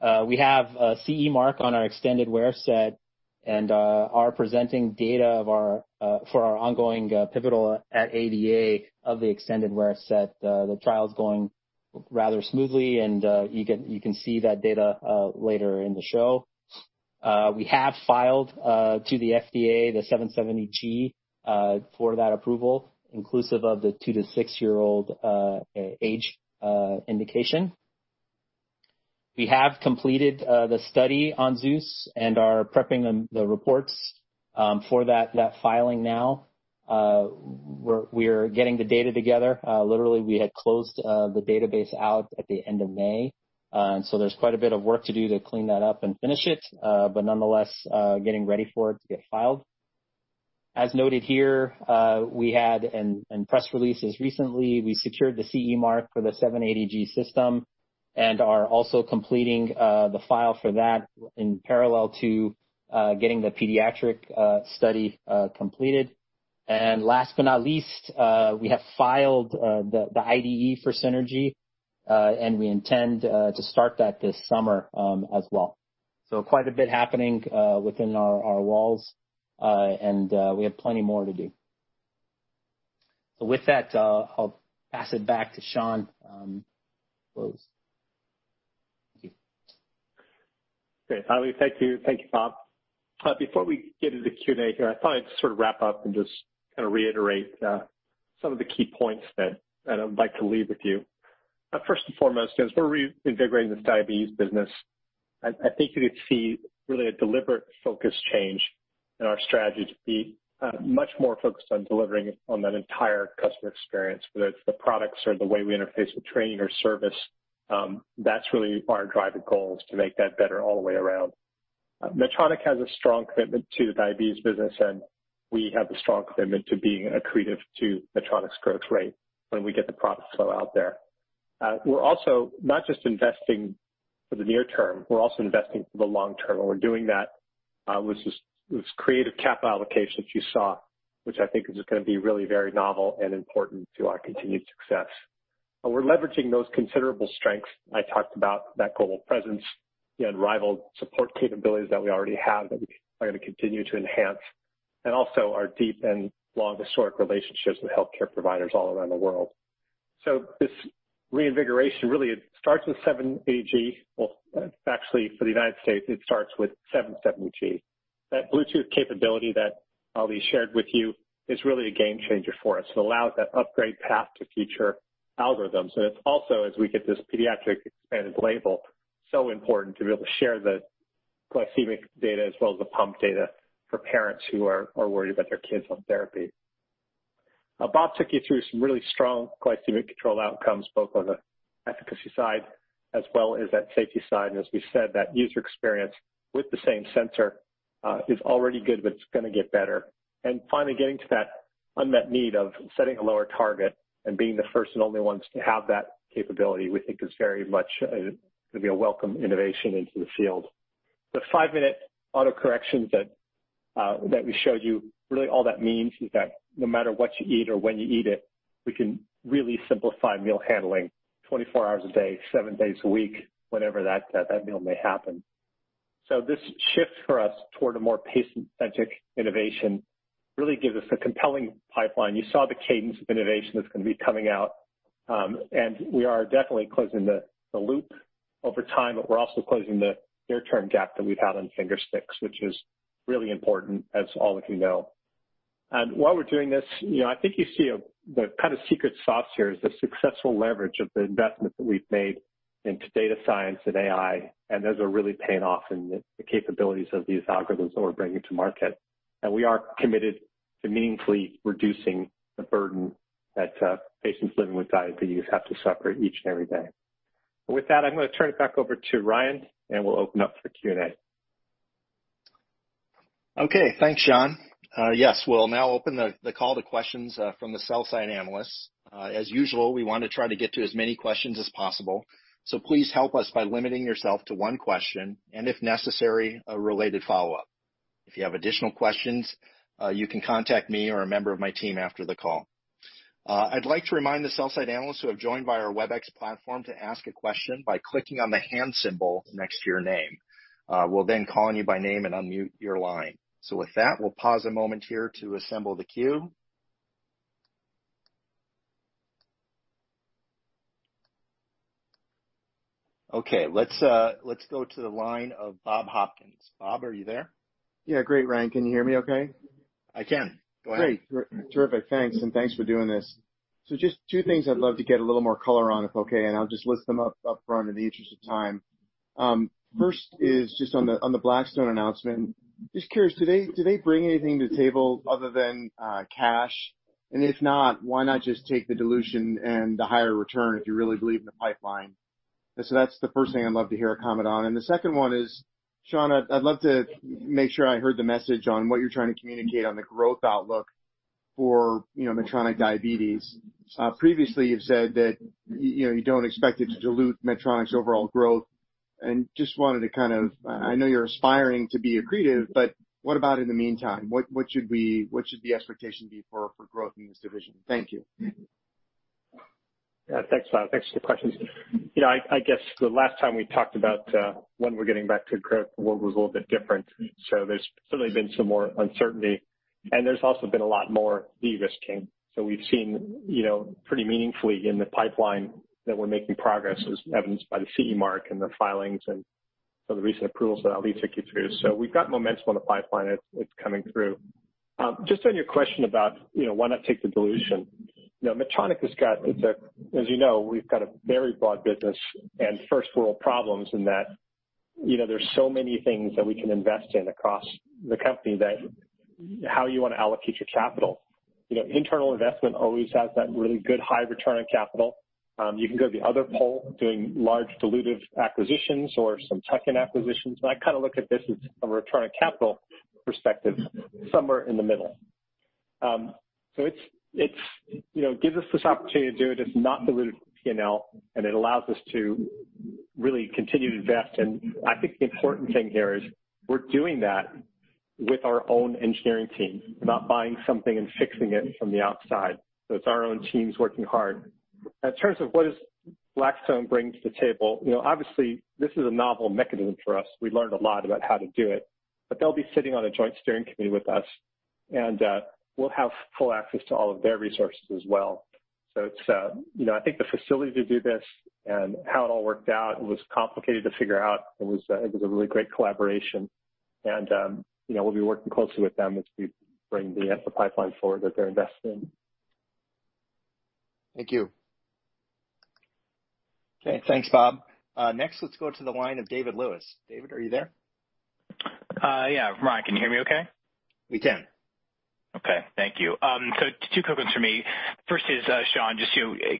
We have a CE mark on our extended wear set and are presenting data for our ongoing pivotal at ADA of the extended wear set. The trial's going rather smoothly, and you can see that data later in the show. We have filed to the FDA the 770G for that approval, inclusive of the two to six-year-old age indication. We have completed the study on Zeus and are prepping the reports for that filing now. We're getting the data together. Literally, we had closed the database out at the end of May. There's quite a bit of work to do to clean that up and finish it. Nonetheless, getting ready for it to get filed. As noted here, we had in press releases recently, we secured the CE mark for the 780G system and are also completing the file for that in parallel to getting the pediatric study completed. Last but not least, we have filed the IDE for Synergy, and we intend to start that this summer as well. Quite a bit happening within our walls. We have plenty more to do. With that, I'll pass it back to Sean to close. Thank you. Great, Ali. Thank you. Thank you, Bob. Before we get into the Q&A here, I thought I'd sort of wrap up and just kind of reiterate some of the key points that I would like to leave with you. First and foremost, as we're reinvigorating this diabetes business, I think you see really a deliberate focus change in our strategy to be much more focused on delivering on that entire customer experience, whether it's the products or the way we interface with training or service. That's really our driving goal is to make that better all the way around. Medtronic has a strong commitment to the diabetes business. We have a strong commitment to being accretive to Medtronic's growth rate when we get the product flow out there. We're also not just investing for the near term, we're also investing for the long term, and we're doing that with this creative capital allocation that you saw, which I think is going to be really very novel and important to our continued success. We're leveraging those considerable strengths. I talked about that global presence and unrivaled support capabilities that we already have that we are going to continue to enhance. Also our deep and long historic relationships with healthcare providers all around the world. This reinvigoration really starts with 780G. Actually, for the United States, it starts with 770G. That Bluetooth capability that Ali shared with you is really a game changer for us. It allows that upgrade path to future algorithms. It's also, as we get this pediatric expanded label, so important to be able to share the glycemic data as well as the pump data for parents who are worried about their kids on therapy. Bob took you through some really strong glycemic control outcomes, both on the efficacy side as well as that safety side. As we said, that user experience with the same sensor is already good, but it's going to get better. Finally, getting to that unmet need of setting a lower target and being the first and only ones to have that capability, we think is very much going to be a welcome innovation into the field. The five-minute autocorrection that we showed you, really all that means is that no matter what you eat or when you eat it, we can really simplify meal handling 24 hours a day, seven days a week, whenever that meal may happen. This shift for us toward a more patient-centric innovation really gives us a compelling pipeline. You saw the cadence of innovation that's going to be coming out. We are definitely closing the loop over time, but we're also closing the near-term gap that we've had on finger sticks, which is really important, as all of you know. While we're doing this, I think you see the kind of secret sauce here is the successful leverage of the investment that we've made into data science and AI, and those are really paying off in the capabilities of these algorithms that we're bringing to market. We are committed to meaningfully reducing the burden that patients living with diabetes have to suffer each and every day. With that, I'm going to turn it back over to Ryan, and we'll open up for Q&A. Okay. Thanks, Sean. We'll now open the call to questions from the sell-side analysts. As usual, we want to try to get to as many questions as possible. Please help us by limiting yourself to one question and if necessary, a related follow-up. If you have additional questions, you can contact me or a member of my team after the call. I'd like to remind the sell-side analysts who have joined via our Webex platform to ask a question by clicking on the hand symbol next to your name. We'll call on you by name and unmute your line. With that, we'll pause a moment here to assemble the queue. Okay. Let's go to the line of Bob Hopkins. Bob, are you there? Yeah. Great, Ryan. Can you hear me okay? I can. Go ahead. Great. Terrific. Thanks. Thanks for doing this. Just two things I'd love to get a little more color on, if okay. I'll just list them up front in the interest of time. First is just on the Blackstone announcement. Just curious, do they bring anything to the table other than cash? If not, why not just take the dilution and the higher return if you really believe in the pipeline? That's the first thing I'd love to hear a comment on. The second one is, Sean, I'd love to make sure I heard the message on what you're trying to communicate on the growth outlook for Medtronic diabetes. Previously, you've said that you don't expect it to dilute Medtronic's overall growth. I know you're aspiring to be accretive, but what about in the meantime? What should the expectation be for growth in this division? Thank you. Yeah, thanks, Bob. Thanks for the questions. I guess the last time we talked about when we're getting back to credit the world was a little bit different. There's certainly been some more uncertainty, and there's also been a lot more de-risking. We've seen pretty meaningfully in the pipeline that we're making progress as evidenced by the CE mark and the filings and some of the recent approvals that Ali took you through. We've got momentum on the pipeline. It's coming through. Just on your question about why not take the dilution. Medtronic, as you know, we've got a very broad business and first-world problems in that there's so many things that we can invest in across the company that how you want to allocate your capital. Internal investment always has that really good high return on capital. You can go to the other pole doing large dilutive acquisitions or some tuck-in acquisitions. I kind of look at this as a return on capital perspective somewhere in the middle. It gives us this opportunity to do it as not dilutive P&L. It allows us to really continue to invest. I think the important thing here is we're doing that with our own engineering team. We're not buying something and fixing it from the outside. It's our own teams working hard. In terms of what does Blackstone bring to the table? Obviously, this is a novel mechanism for us. We learned a lot about how to do it. They'll be sitting on a joint steering committee with us. We'll have full access to all of their resources as well. I think the facility to do this and how it all worked out was complicated to figure out. It was a really great collaboration. We'll be working closely with them as we bring the pipeline forward that they're investing in. Thank you. Okay. Thanks, Bob. Next let's go to the line of David Lewis. David, are you there? Yeah. Ryan, can you hear me okay? We can. Okay. Thank you. Two quick ones for me. First is, Sean,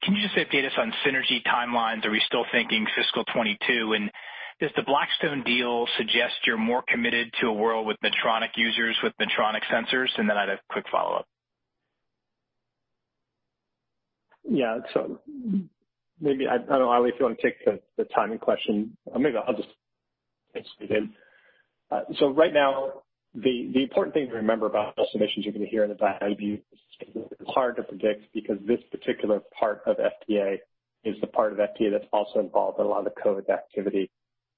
can you just update us on Synergy timelines? Are we still thinking fiscal 2022? Does the Blackstone deal suggest you're more committed to a world with Medtronic users with Medtronic sensors? I'd have a quick follow-up. Yeah. Maybe, I don't know, Ali, if you want to take the timing question. Maybe I'll just jump in. Right now the important thing to remember about the submissions you're going to hear in the 510(k) is hard to predict because this particular part of FDA is the part of FDA that's also involved in a lot of the COVID activity.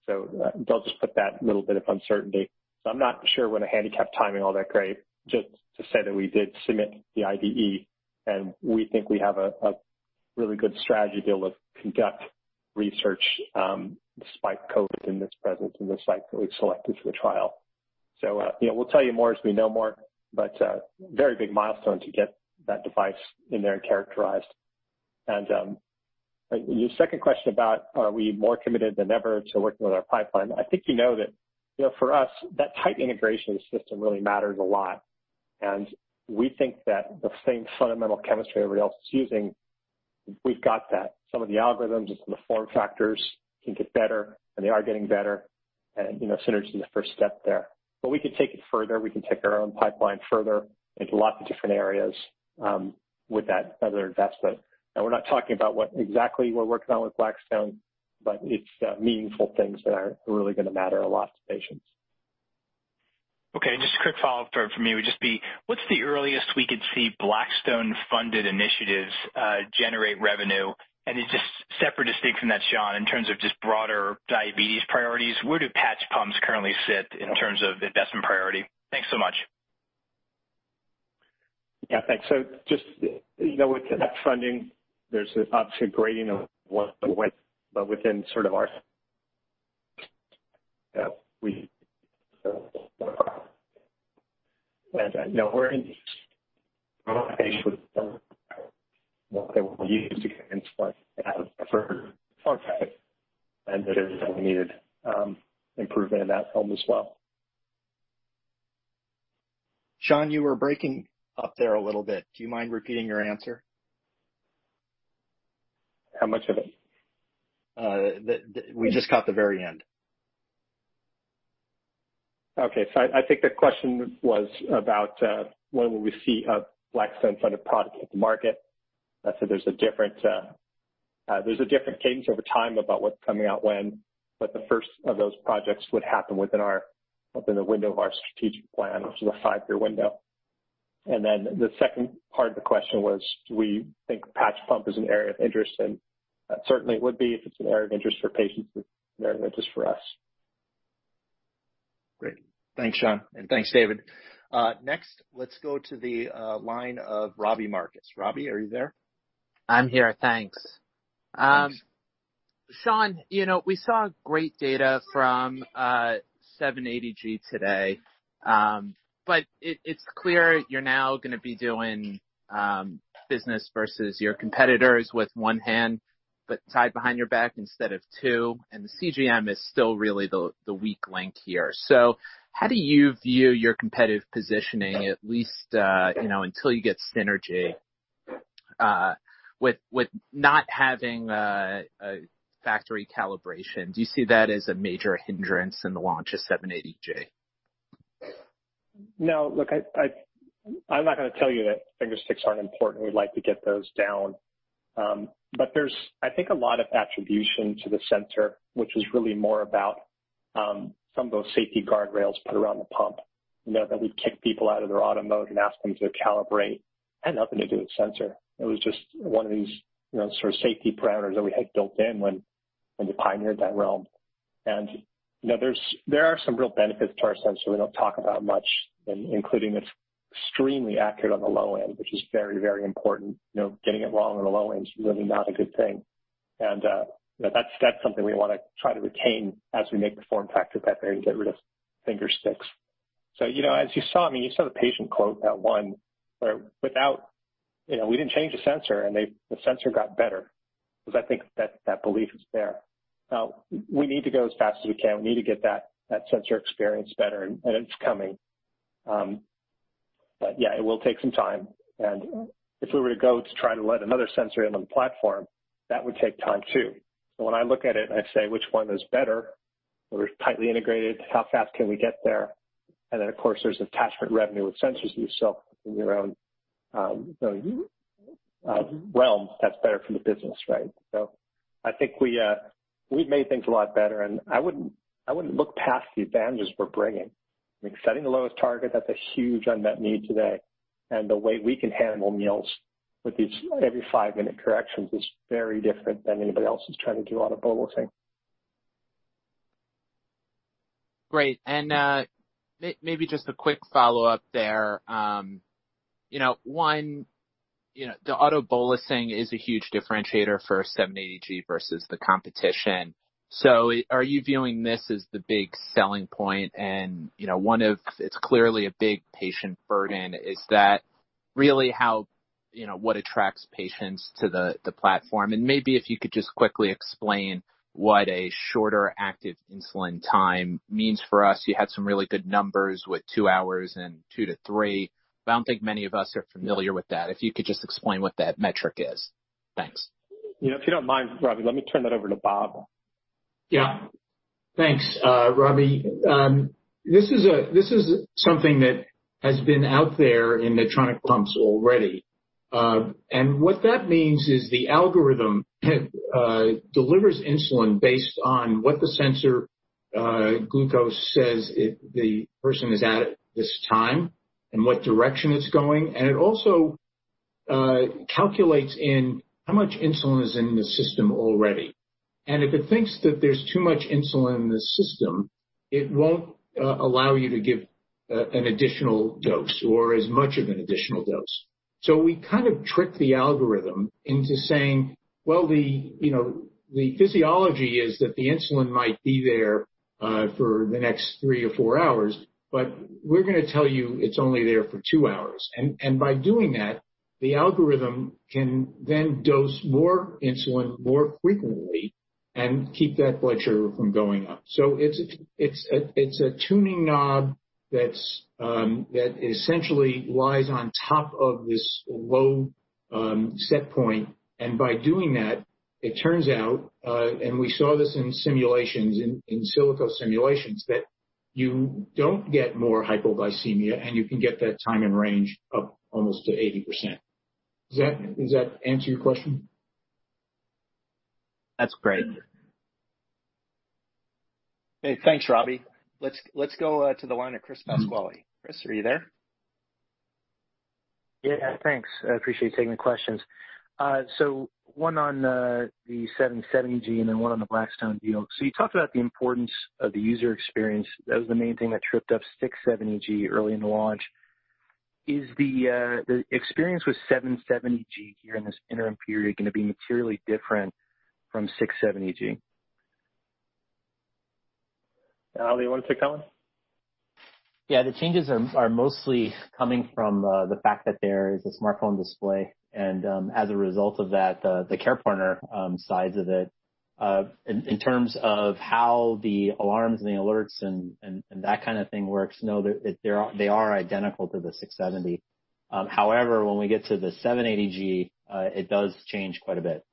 They'll just put that little bit of uncertainty. I'm not sure I want to handicap timing all that great, just to say that we did submit the IDE, and we think we have a really good strategy to be able to conduct research despite COVID and its presence in the site that we've selected for the trial. We'll tell you more as we know more, but very big milestone to get that device in there and characterized. Your second question about are we more committed than ever to working with our pipeline? I think you know that for us, that tight integration of the system really matters a lot. We think that the same fundamental chemistry everybody else is using, we've got that. Some of the algorithms and some of the form factors can get better, and they are getting better. Synergy's the first step there. We can take it further. We can take our own pipeline further into lots of different areas with that further investment. Now we're not talking about what exactly we're working on with Blackstone, but it's meaningful things that are really going to matter a lot to patients. Okay. Just a quick follow-up for me would just be, what's the earliest we could see Blackstone-funded initiatives generate revenue? Just separate, distinct from that, Sean, in terms of just broader diabetes priorities, where do patch pumps currently sit in terms of investment priority? Thanks so much. Yeah. Thanks. Just with that funding, there's obviously a gradient of when, but within sort of our and that is that we needed improvement in that film as well. Sean, you were breaking up there a little bit. Do you mind repeating your answer? How much of it? We just got the very end. Okay. I think the question was about when will we see a Blackstone funded product hit the market. I said there's a different cadence over time about what's coming out when, but the first of those projects would happen within the window of our strategic plan, which is a five-year window. The second part of the question was, do we think the patch pump is an area of interest? That certainly would be. If it's an area of interest for patients, it's an area of interest for us. Great. Thanks, Sean, and thanks, David. Next, let's go to the line of Robbie Marcus. Robbie, are you there? I'm here, thanks. Sean, we saw great data from 780G today. It's clear you're now going to be doing business versus your competitors with one hand but tied behind your back instead of two, and the CGM is still really the weak link here. How do you view your competitive positioning, at least until you get Synergy with not having a factory calibration? Do you see that as a major hindrance in the launch of 780G? No. Look, I'm not going to tell you that finger sticks aren't important. We'd like to get those down. There's, I think, a lot of attribution to the sensor, which is really more about some of those safety guardrails put around the pump, that we kick people out of their Auto Mode and ask them to calibrate. It had nothing to do with the sensor. It was just one of these sort of safety parameters that we had built in when we pioneered that realm. There are some real benefits to our sensor we don't talk about much, including it's extremely accurate on the low end, which is very important. Getting it wrong on the low end is really not a good thing. That's something we want to try to retain as we make the form factor better and get rid of finger sticks. As you saw, you saw the patient quote that one where we didn't change the sensor, and the sensor got better because I think that belief is there. We need to go as fast as we can. We need to get that sensor experience better, and it's coming. Yeah, it will take some time. If we were to go to try to let another sensor in on the platform, that would take time too. When I look at it and I say, which one is better? Where we're tightly integrated, how fast can we get there? Of course, there's attachment revenue with sensors that you sell in your own realm that's better for the business, right? I think we've made things a lot better, and I wouldn't look past the advantages we're bringing, like setting the lowest target. That's a huge unmet need today. The way we can handle meals with these every five-minute corrections is very different than anybody else who's trying to do auto bolusing. Great. Maybe just a quick follow-up there. One, the auto bolusing is a huge differentiator for 780G versus the competition. Are you viewing this as the big selling point and it's clearly a big patient burden. Is that really what attracts patients to the platform? Maybe if you could just quickly explain what a shorter active insulin time means for us. You had some really good numbers with two hours and two to three, but I don't think many of us are familiar with that. If you could just explain what that metric is. Thanks. If you don't mind, Robbie, let me turn that over to Bob. Yeah. Thanks, Robbie. This is something that has been out there in Medtronic pumps already. What that means is the algorithm delivers insulin based on what the sensor glucose says the person is at this time and what direction it's going. It also calculates in how much insulin is in the system already. If it thinks that there's too much insulin in the system, it won't allow you to give an additional dose or as much of an additional dose. We kind of trick the algorithm into saying, well, the physiology is that the insulin might be there for the next three or four hours, but we're going to tell you it's only there for two hours. By doing that, the algorithm can then dose more insulin more frequently and keep that blood sugar from going up. It's a tuning knob that essentially lies on top of this low set point. By doing that, it turns out, and we saw this in simulations, in silico simulations, that you don't get more hypoglycemia, and you can get that Time in Range up almost to 80%. Does that answer your question? That's great. Okay. Thanks, Robbie. Let's go to the line of Chris Pasquale. Chris, are you there? Yeah. Thanks. I appreciate you taking the questions. One on the 770G and then one on the Blackstone deal. You talked about the importance of the user experience. That was the main thing that tripped up 670G early in the launch. Is the experience with 770G here in this interim period going to be materially different from 670G? Ali, you want to take that one? Yeah. The changes are mostly coming from the fact that there is a smartphone display and, as a result of that, the CarePartner sides of it. In terms of how the alarms and the alerts and that kind of thing works, know that they are identical to the 670. When we get to the 780G, it does change quite a bit.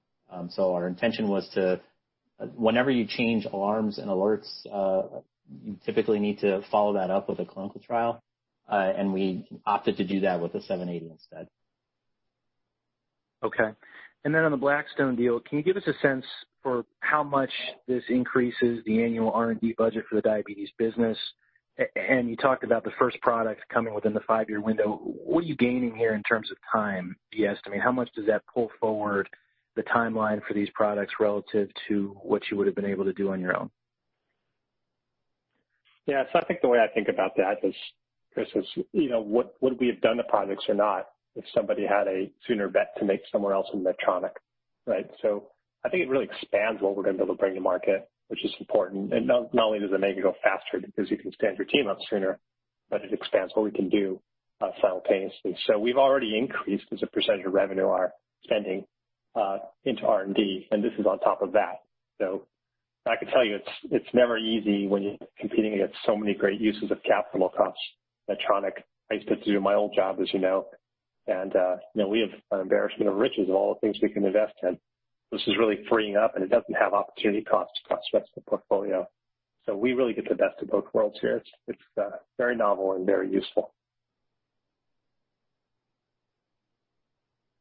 Whenever you change alarms and alerts, you typically need to follow that up with a clinical trial, and we opted to do that with the 780 instead. Okay. On the Blackstone deal, can you give us a sense for how much this increases the annual R&D budget for the diabetes business? You talked about the first product coming within the five-year window. What are you gaining here in terms of time? Do you estimate how much does that pull forward the timeline for these products relative to what you would've been able to do on your own? Yeah. I think the way I think about that is, Chris, is would we have done the projects or not if somebody had a sooner vet to make someone else in Medtronic, right? I think it really expands what we're going to be able to bring to market, which is important. Not only does it make it go faster because you can stand your team up sooner, but it expands what we can do simultaneously. We've already increased, as a percentage of revenue, our spending into R&D, and this is on top of that. I can tell you, it's never easy when you're competing against so many great uses of capital across Medtronic. I used to do my old job, as you know, and we have an embarrassment of riches of all the things we can invest in. This is really freeing up, and it doesn't have opportunity cost to cross the rest of the portfolio. We really get the best of both worlds here. It's very novel and very useful.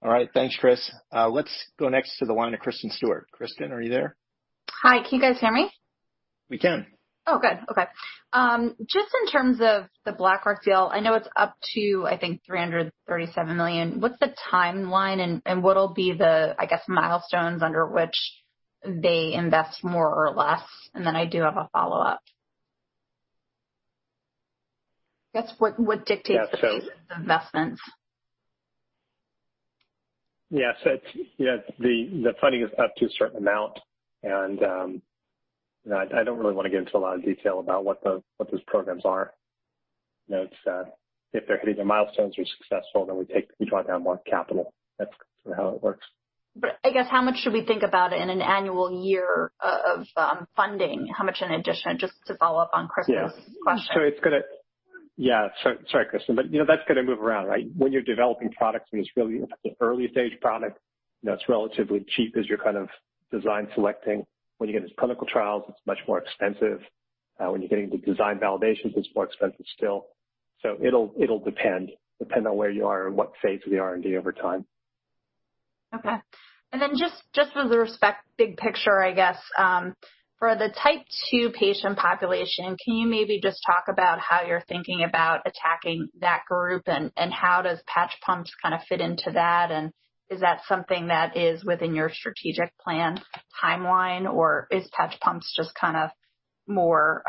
All right. Thanks, Chris. Let's go next to the line of Kristen Stewart. Kristen, are you there? Hi. Can you guys hear me? We can. Oh, good. Okay. Just in terms of the Blackstone deal, I know it's up to, I think, $337 million. What's the timeline and what'll be the, I guess, milestones under which they invest more or less? I do have a follow-up. What dictates the pace of the investments? Yes. The funding is up to a certain amount, and I don't really want to get into a lot of detail about what those programs are. If they're hitting their milestones or successful, then we take each one down more capital. That's sort of how it works. I guess how much should we think about in an annual year of funding? How much in addition, just to follow up on Chris' question? Yeah. Sorry, Kristen. That's going to move around, right? When you're developing products and it's really the early-stage product that's relatively cheap as you're kind of design selecting. When you get into clinical trials, it's much more expensive. When you're getting into design validations, it's more expensive still. It'll depend. Depend on where you are and what phase of the R&D over time. Okay. Just with the respect big picture, I guess, for the type 2 patient population, can you maybe just talk about how you're thinking about attacking that group and how does patch pumps kind of fit into that? Is that something that is within your strategic plan timeline, or is patch pumps just kind of more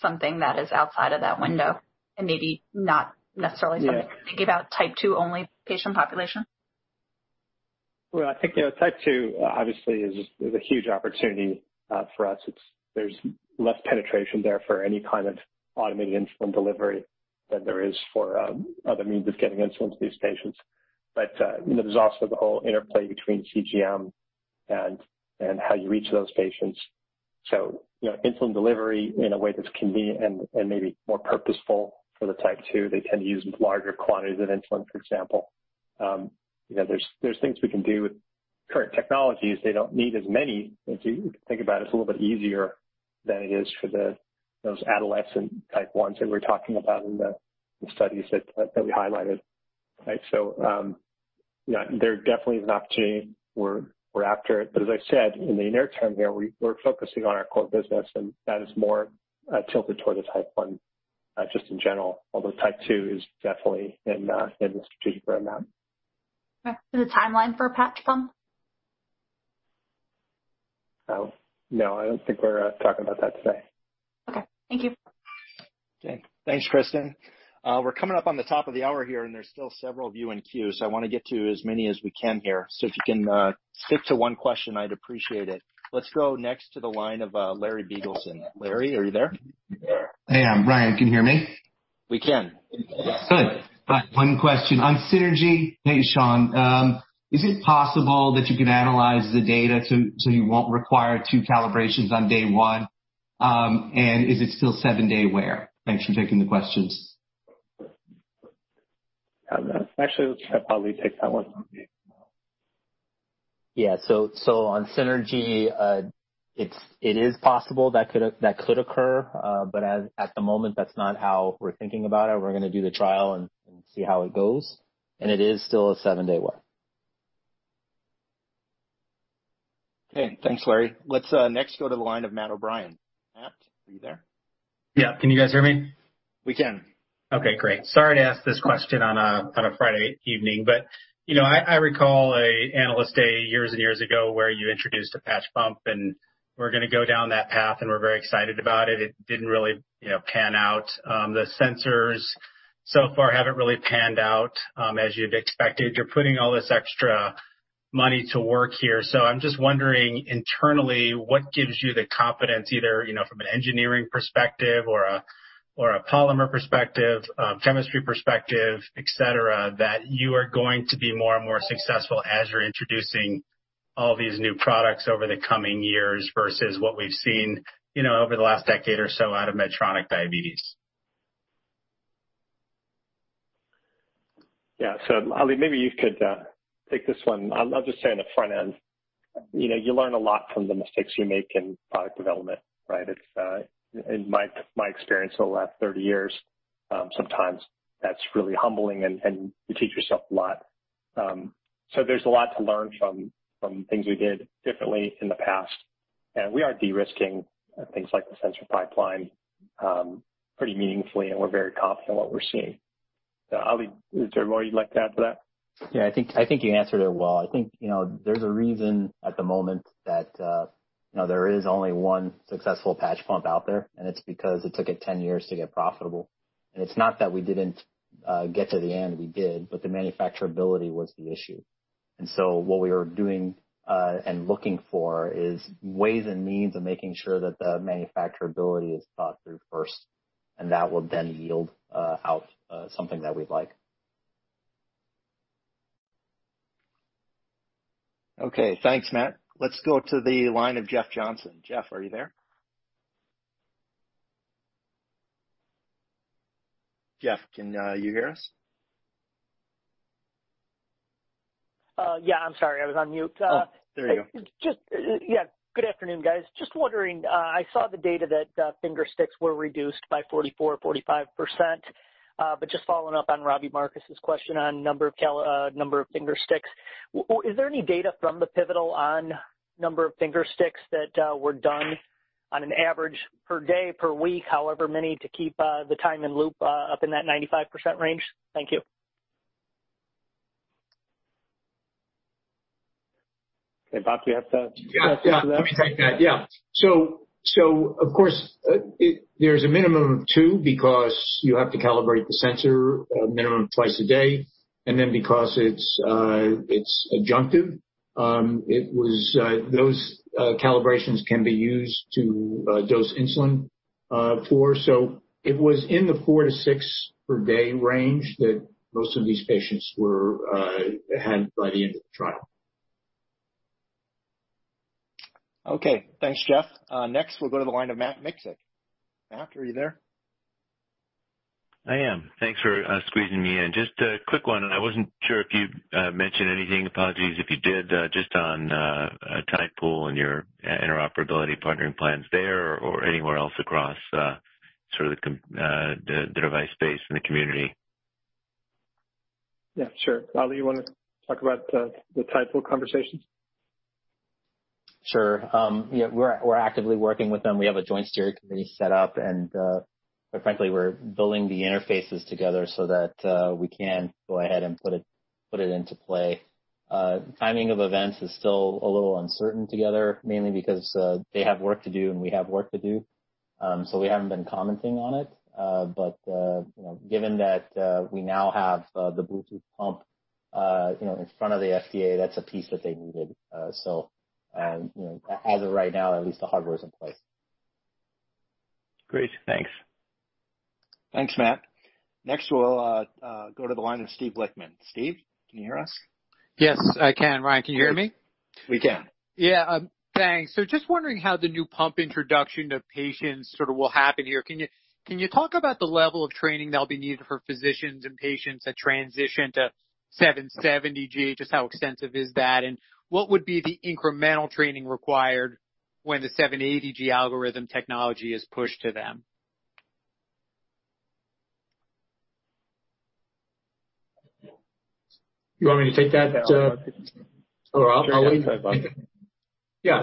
something that is outside of that window and maybe not necessarily something to think about type 2 only patient population? Well, I think type 2 obviously is a huge opportunity for us. There's less penetration there for any kind of automated insulin delivery than there is for other means of getting insulin to these patients. There's also the whole interplay between CGM and how you reach those patients. Insulin delivery in a way that's convenient and maybe more purposeful for the type 2. They tend to use larger quantities of insulin, for example. There's things we can do with current technologies. They don't need as many. If you think about it's a little bit easier than it is for those adolescent type 1s that we're talking about in the studies that we highlighted. Right. There definitely is an opportunity. We're after it. As I said, in the near term here, we're focusing on our core business, and that is more tilted toward the type 1, just in general, although type 2 is definitely in the strategic roadmap. Okay. The timeline for a patch pump? No, I don't think we're talking about that today. Okay. Thank you. Okay. Thanks, Kristen. We're coming up on the top of the hour here, and there's still several of you in queue, so I want to get to as many as we can here. If you can stick to one question, I'd appreciate it. Let's go next to the line of Larry Biegelsen. Larry, are you there? I am. Ryan, can you hear me? We can. Good. One question. On Synergy, hey, Sean, is it possible that you can analyze the data so you won't require two calibrations on day one? Is it still 7-day wear? Thanks for taking the questions. Ali should probably take that one. Yeah. On Synergy, it is possible that could occur. At the moment, that's not how we're thinking about it. We're going to do the trial and see how it goes. It is still a seven-day wear. Okay. Thanks, Larry. Let's next go to the line of Matt O'Brien. Matt, are you there? Yeah. Can you guys hear me? We can. Okay, great. Sorry to ask this question on a Friday evening, I recall a analyst day years and years ago where you introduced a patch pump, and we're going to go down that path, and we're very excited about it. It didn't really pan out. The sensors so far haven't really panned out as you'd expected. You're putting all this extra money to work here. I'm just wondering, internally, what gives you the confidence, either from an engineering perspective or a polymer perspective, chemistry perspective, et cetera, that you are going to be more and more successful as you're introducing all these new products over the coming years versus what we've seen over the last decade or so out of Medtronic Diabetes? Yeah. Ali, maybe you could take this one. I'll just say on the front end, you learn a lot from the mistakes you make in product development, right? In my experience over the last 30 years, sometimes that's really humbling, and you teach yourself a lot. There's a lot to learn from things we did differently in the past. We are de-risking things like the sensor pipeline pretty meaningfully, and we're very confident in what we're seeing. Ali, is there more you'd like to add to that? Yeah, I think you answered it well. I think, there's a reason at the moment that there is only one successful patch pump out there, and it's because it took it 10 years to get profitable. It's not that we didn't get to the end, we did, but the manufacturability was the issue. What we are doing and looking for is ways and means of making sure that the manufacturability is thought through first, and that will then yield out something that we'd like. Okay. Thanks, Matt. Let's go to the line of Jeff Johnson. Jeff, are you there? Jeff, can you hear us? Yeah, I'm sorry. I was on mute. Oh, there you go. Yeah. Good afternoon, guys. Just wondering, I saw the data that finger sticks were reduced by 44% or 45%, but just following up on Robbie Marcus' question on number of finger sticks. Is there any data from the pivotal on number of finger sticks that were done on an average per day, per week, however many, to keep the time in loop up in that 95% range? Thank you. Okay, Bob, do you have the answer to that? Yeah. Let me take that. Yeah. Of course, there's a minimum of two because you have to calibrate the sensor a minimum of twice a day, and then because it's adjunctive. Those calibrations can be used to dose insulin for. It was in the four to six per day range that most of these patients had by the end of the trial. Okay. Thanks, Jeff. Next, we'll go to the line of Matt Miksic. Matt, are you there? I am. Thanks for squeezing me in. Just a quick one, and I wasn't sure if you mentioned anything, apologies if you did, just on Tidepool and your interoperability partnering plans there or anywhere else across sort of the device space in the community. Yeah, sure. Ali, you want to talk about the Tidepool conversations? Sure. Yeah, we're actively working with them. We have a joint steering committee set up, and quite frankly, we're building the interfaces together so that we can go ahead and put it into play. Timing of events is still a little uncertain together, mainly because they have work to do and we have work to do. We haven't been commenting on it. Given that we now have the Bluetooth pump in front of the FDA, that's a piece that they needed. As of right now, at least the hardware is in place. Great. Thanks. Thanks, Matt. Next, we'll go to the line of Steve Lichtman. Steve, can you hear us? Yes, I can. Ryan, can you hear me? We can. Thanks. Just wondering how the new pump introduction to patients sort of will happen here. Can you talk about the level of training that'll be needed for physicians and patients that transition to 770G? How extensive is that, and what would be the incremental training required when the 780G algorithm technology is pushed to them? You want me to take that? Ali?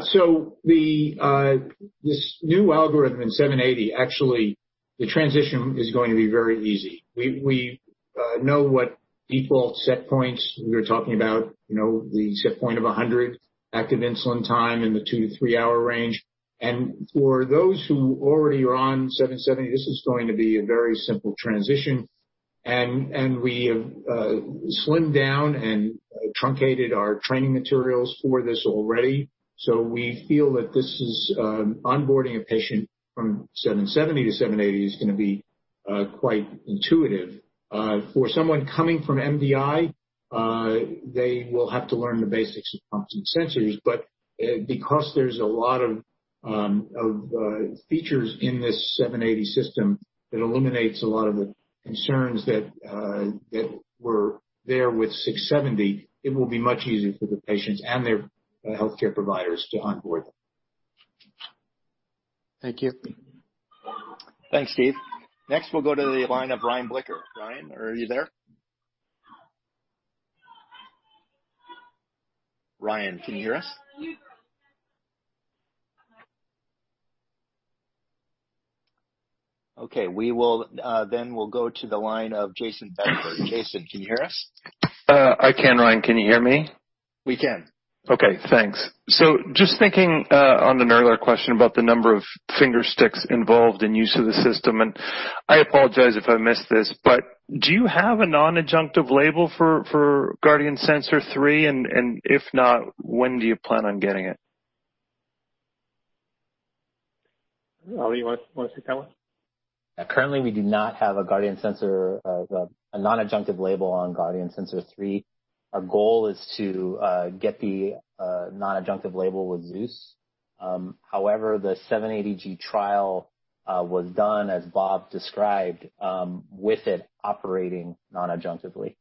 Sure. Yeah. This new algorithm in 780, actually, the transition is going to be very easy. We know what default set points we were talking about, the set point of 100 active insulin time in the two to three-hour range. For those who already are on 770, this is going to be a very simple transition. We have slimmed down and truncated our training materials for this already. We feel that onboarding a patient from 770 to 780 is going to be quite intuitive. For someone coming from MDI, they will have to learn the basics of pumps and sensors. Because there's a lot of features in this 780 system that eliminates a lot of the concerns that were there with 670, it will be much easier for the patients and their healthcare providers to onboard. Thank you. Thanks, Steve. Next, we'll go to the line of Ryan Blicker. Ryan, are you there? Ryan, can you hear us? Okay. We'll go to the line of Jayson Bedford. Jayson, can you hear us? Ryan, can you hear me? We can. Okay, thanks. Just thinking on an earlier question about the number of finger sticks involved in use of the system, and I apologize if I missed this, but do you have a non-adjunctive label for Guardian Sensor 3? If not, when do you plan on getting it? Ali, you want to take that one? Currently, we do not have a non-adjunctive label on Guardian Sensor 3. Our goal is to get the non-adjunctive label with Zeus. However, the 780G trial was done, as Bob described, with it operating non-adjunctively.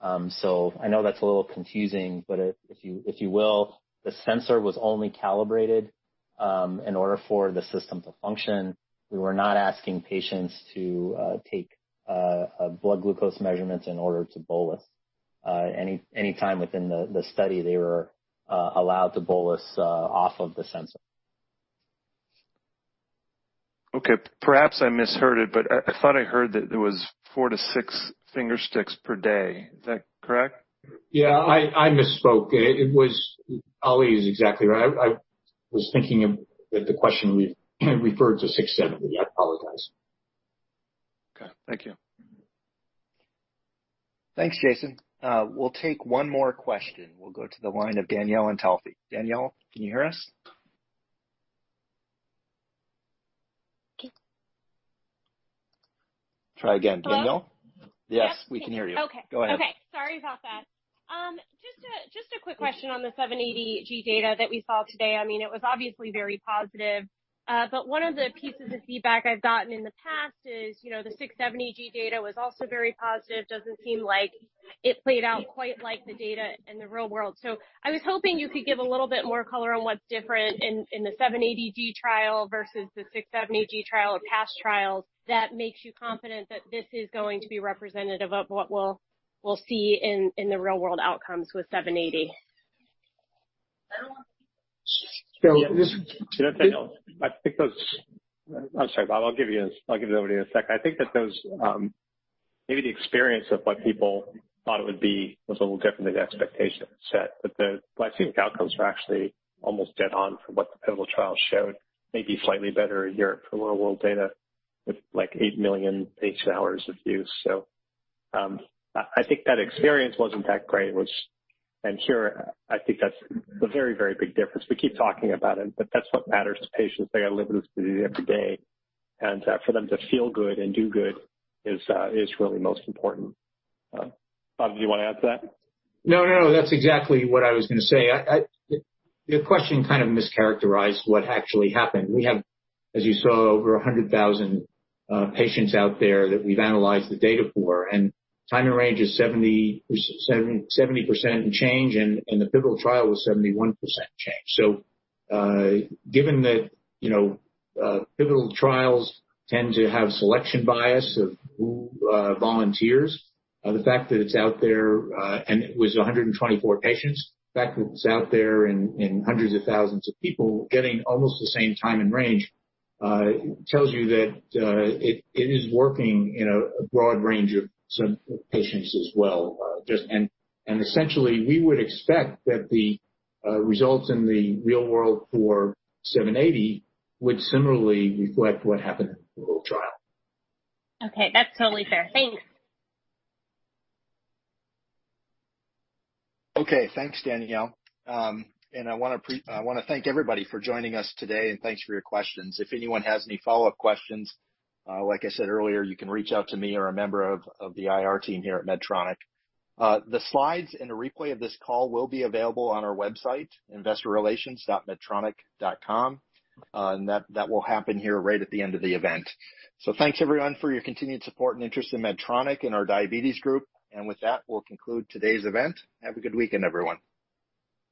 I know that's a little confusing, but if you will, the sensor was only calibrated in order for the system to function. We were not asking patients to take a blood glucose measurement in order to bolus. Any time within the study, they were allowed to bolus off of the sensor. Okay. Perhaps I misheard it, but I thought I heard that there was four to six finger sticks per day. Is that correct? Yeah, I misspoke. Ali is exactly right. I was thinking of the question we referred to 670. I apologize. Okay. Thank you. Thanks, Jayson. We'll take one more question. We'll go to the line of Danielle Antalffy. Danielle, can you hear us? Try again. Danielle? Hello. Yes, we can hear you. Okay. Go ahead. Okay. Sorry about that. Just a quick question on the 780G data that we saw today. It was obviously very positive. One of the pieces of feedback I've gotten in the past is, the 670G data was also very positive. Doesn't seem like it played out quite like the data in the real world. I was hoping you could give a little bit more color on what's different in the 780G trial versus the 670G trial or past trials that makes you confident that this is going to be representative of what we'll see in the real world outcomes with 780. I think those I'm sorry, Bob, I'll give it over to you in a second. I think that those, maybe the experience of what people thought it would be was a little different than the expectation set. The glycemic outcomes were actually almost dead on for what the pivotal trial showed, maybe slightly better a year for real world data with 8 million patient hours of use. I think that experience wasn't that great, which I'm sure, I think that's a very, very big difference. We keep talking about it, but that's what matters to patients. They got to live with this every day, and for them to feel good and do good is really most important. Bob, did you want to add to that? No, that's exactly what I was going to say. Your question kind of mischaracterized what actually happened. We have, as you saw, over 100,000 patients out there that we've analyzed the data for, and Time in Range is 70% and change, and the pivotal trial was 71% change. Given that pivotal trials tend to have selection bias of who volunteers, the fact that it's out there and it was 124 patients, the fact that it's out there and hundreds of thousands of people getting almost the same Time in Range, tells you that it is working in a broad range of patients as well. Essentially, we would expect that the results in the real world for 780 would similarly reflect what happened in the pivotal trial. Okay. That's totally fair. Thanks. Okay. Thanks, Danielle. I want to thank everybody for joining us today, and thanks for your questions. If anyone has any follow-up questions, like I said earlier, you can reach out to me or a member of the IR team here at Medtronic. The slides and a replay of this call will be available on our website, investorrelations.medtronic.com. That will happen here right at the end of the event. Thanks, everyone, for your continued support and interest in Medtronic and our diabetes group. With that, we'll conclude today's event. Have a good weekend, everyone.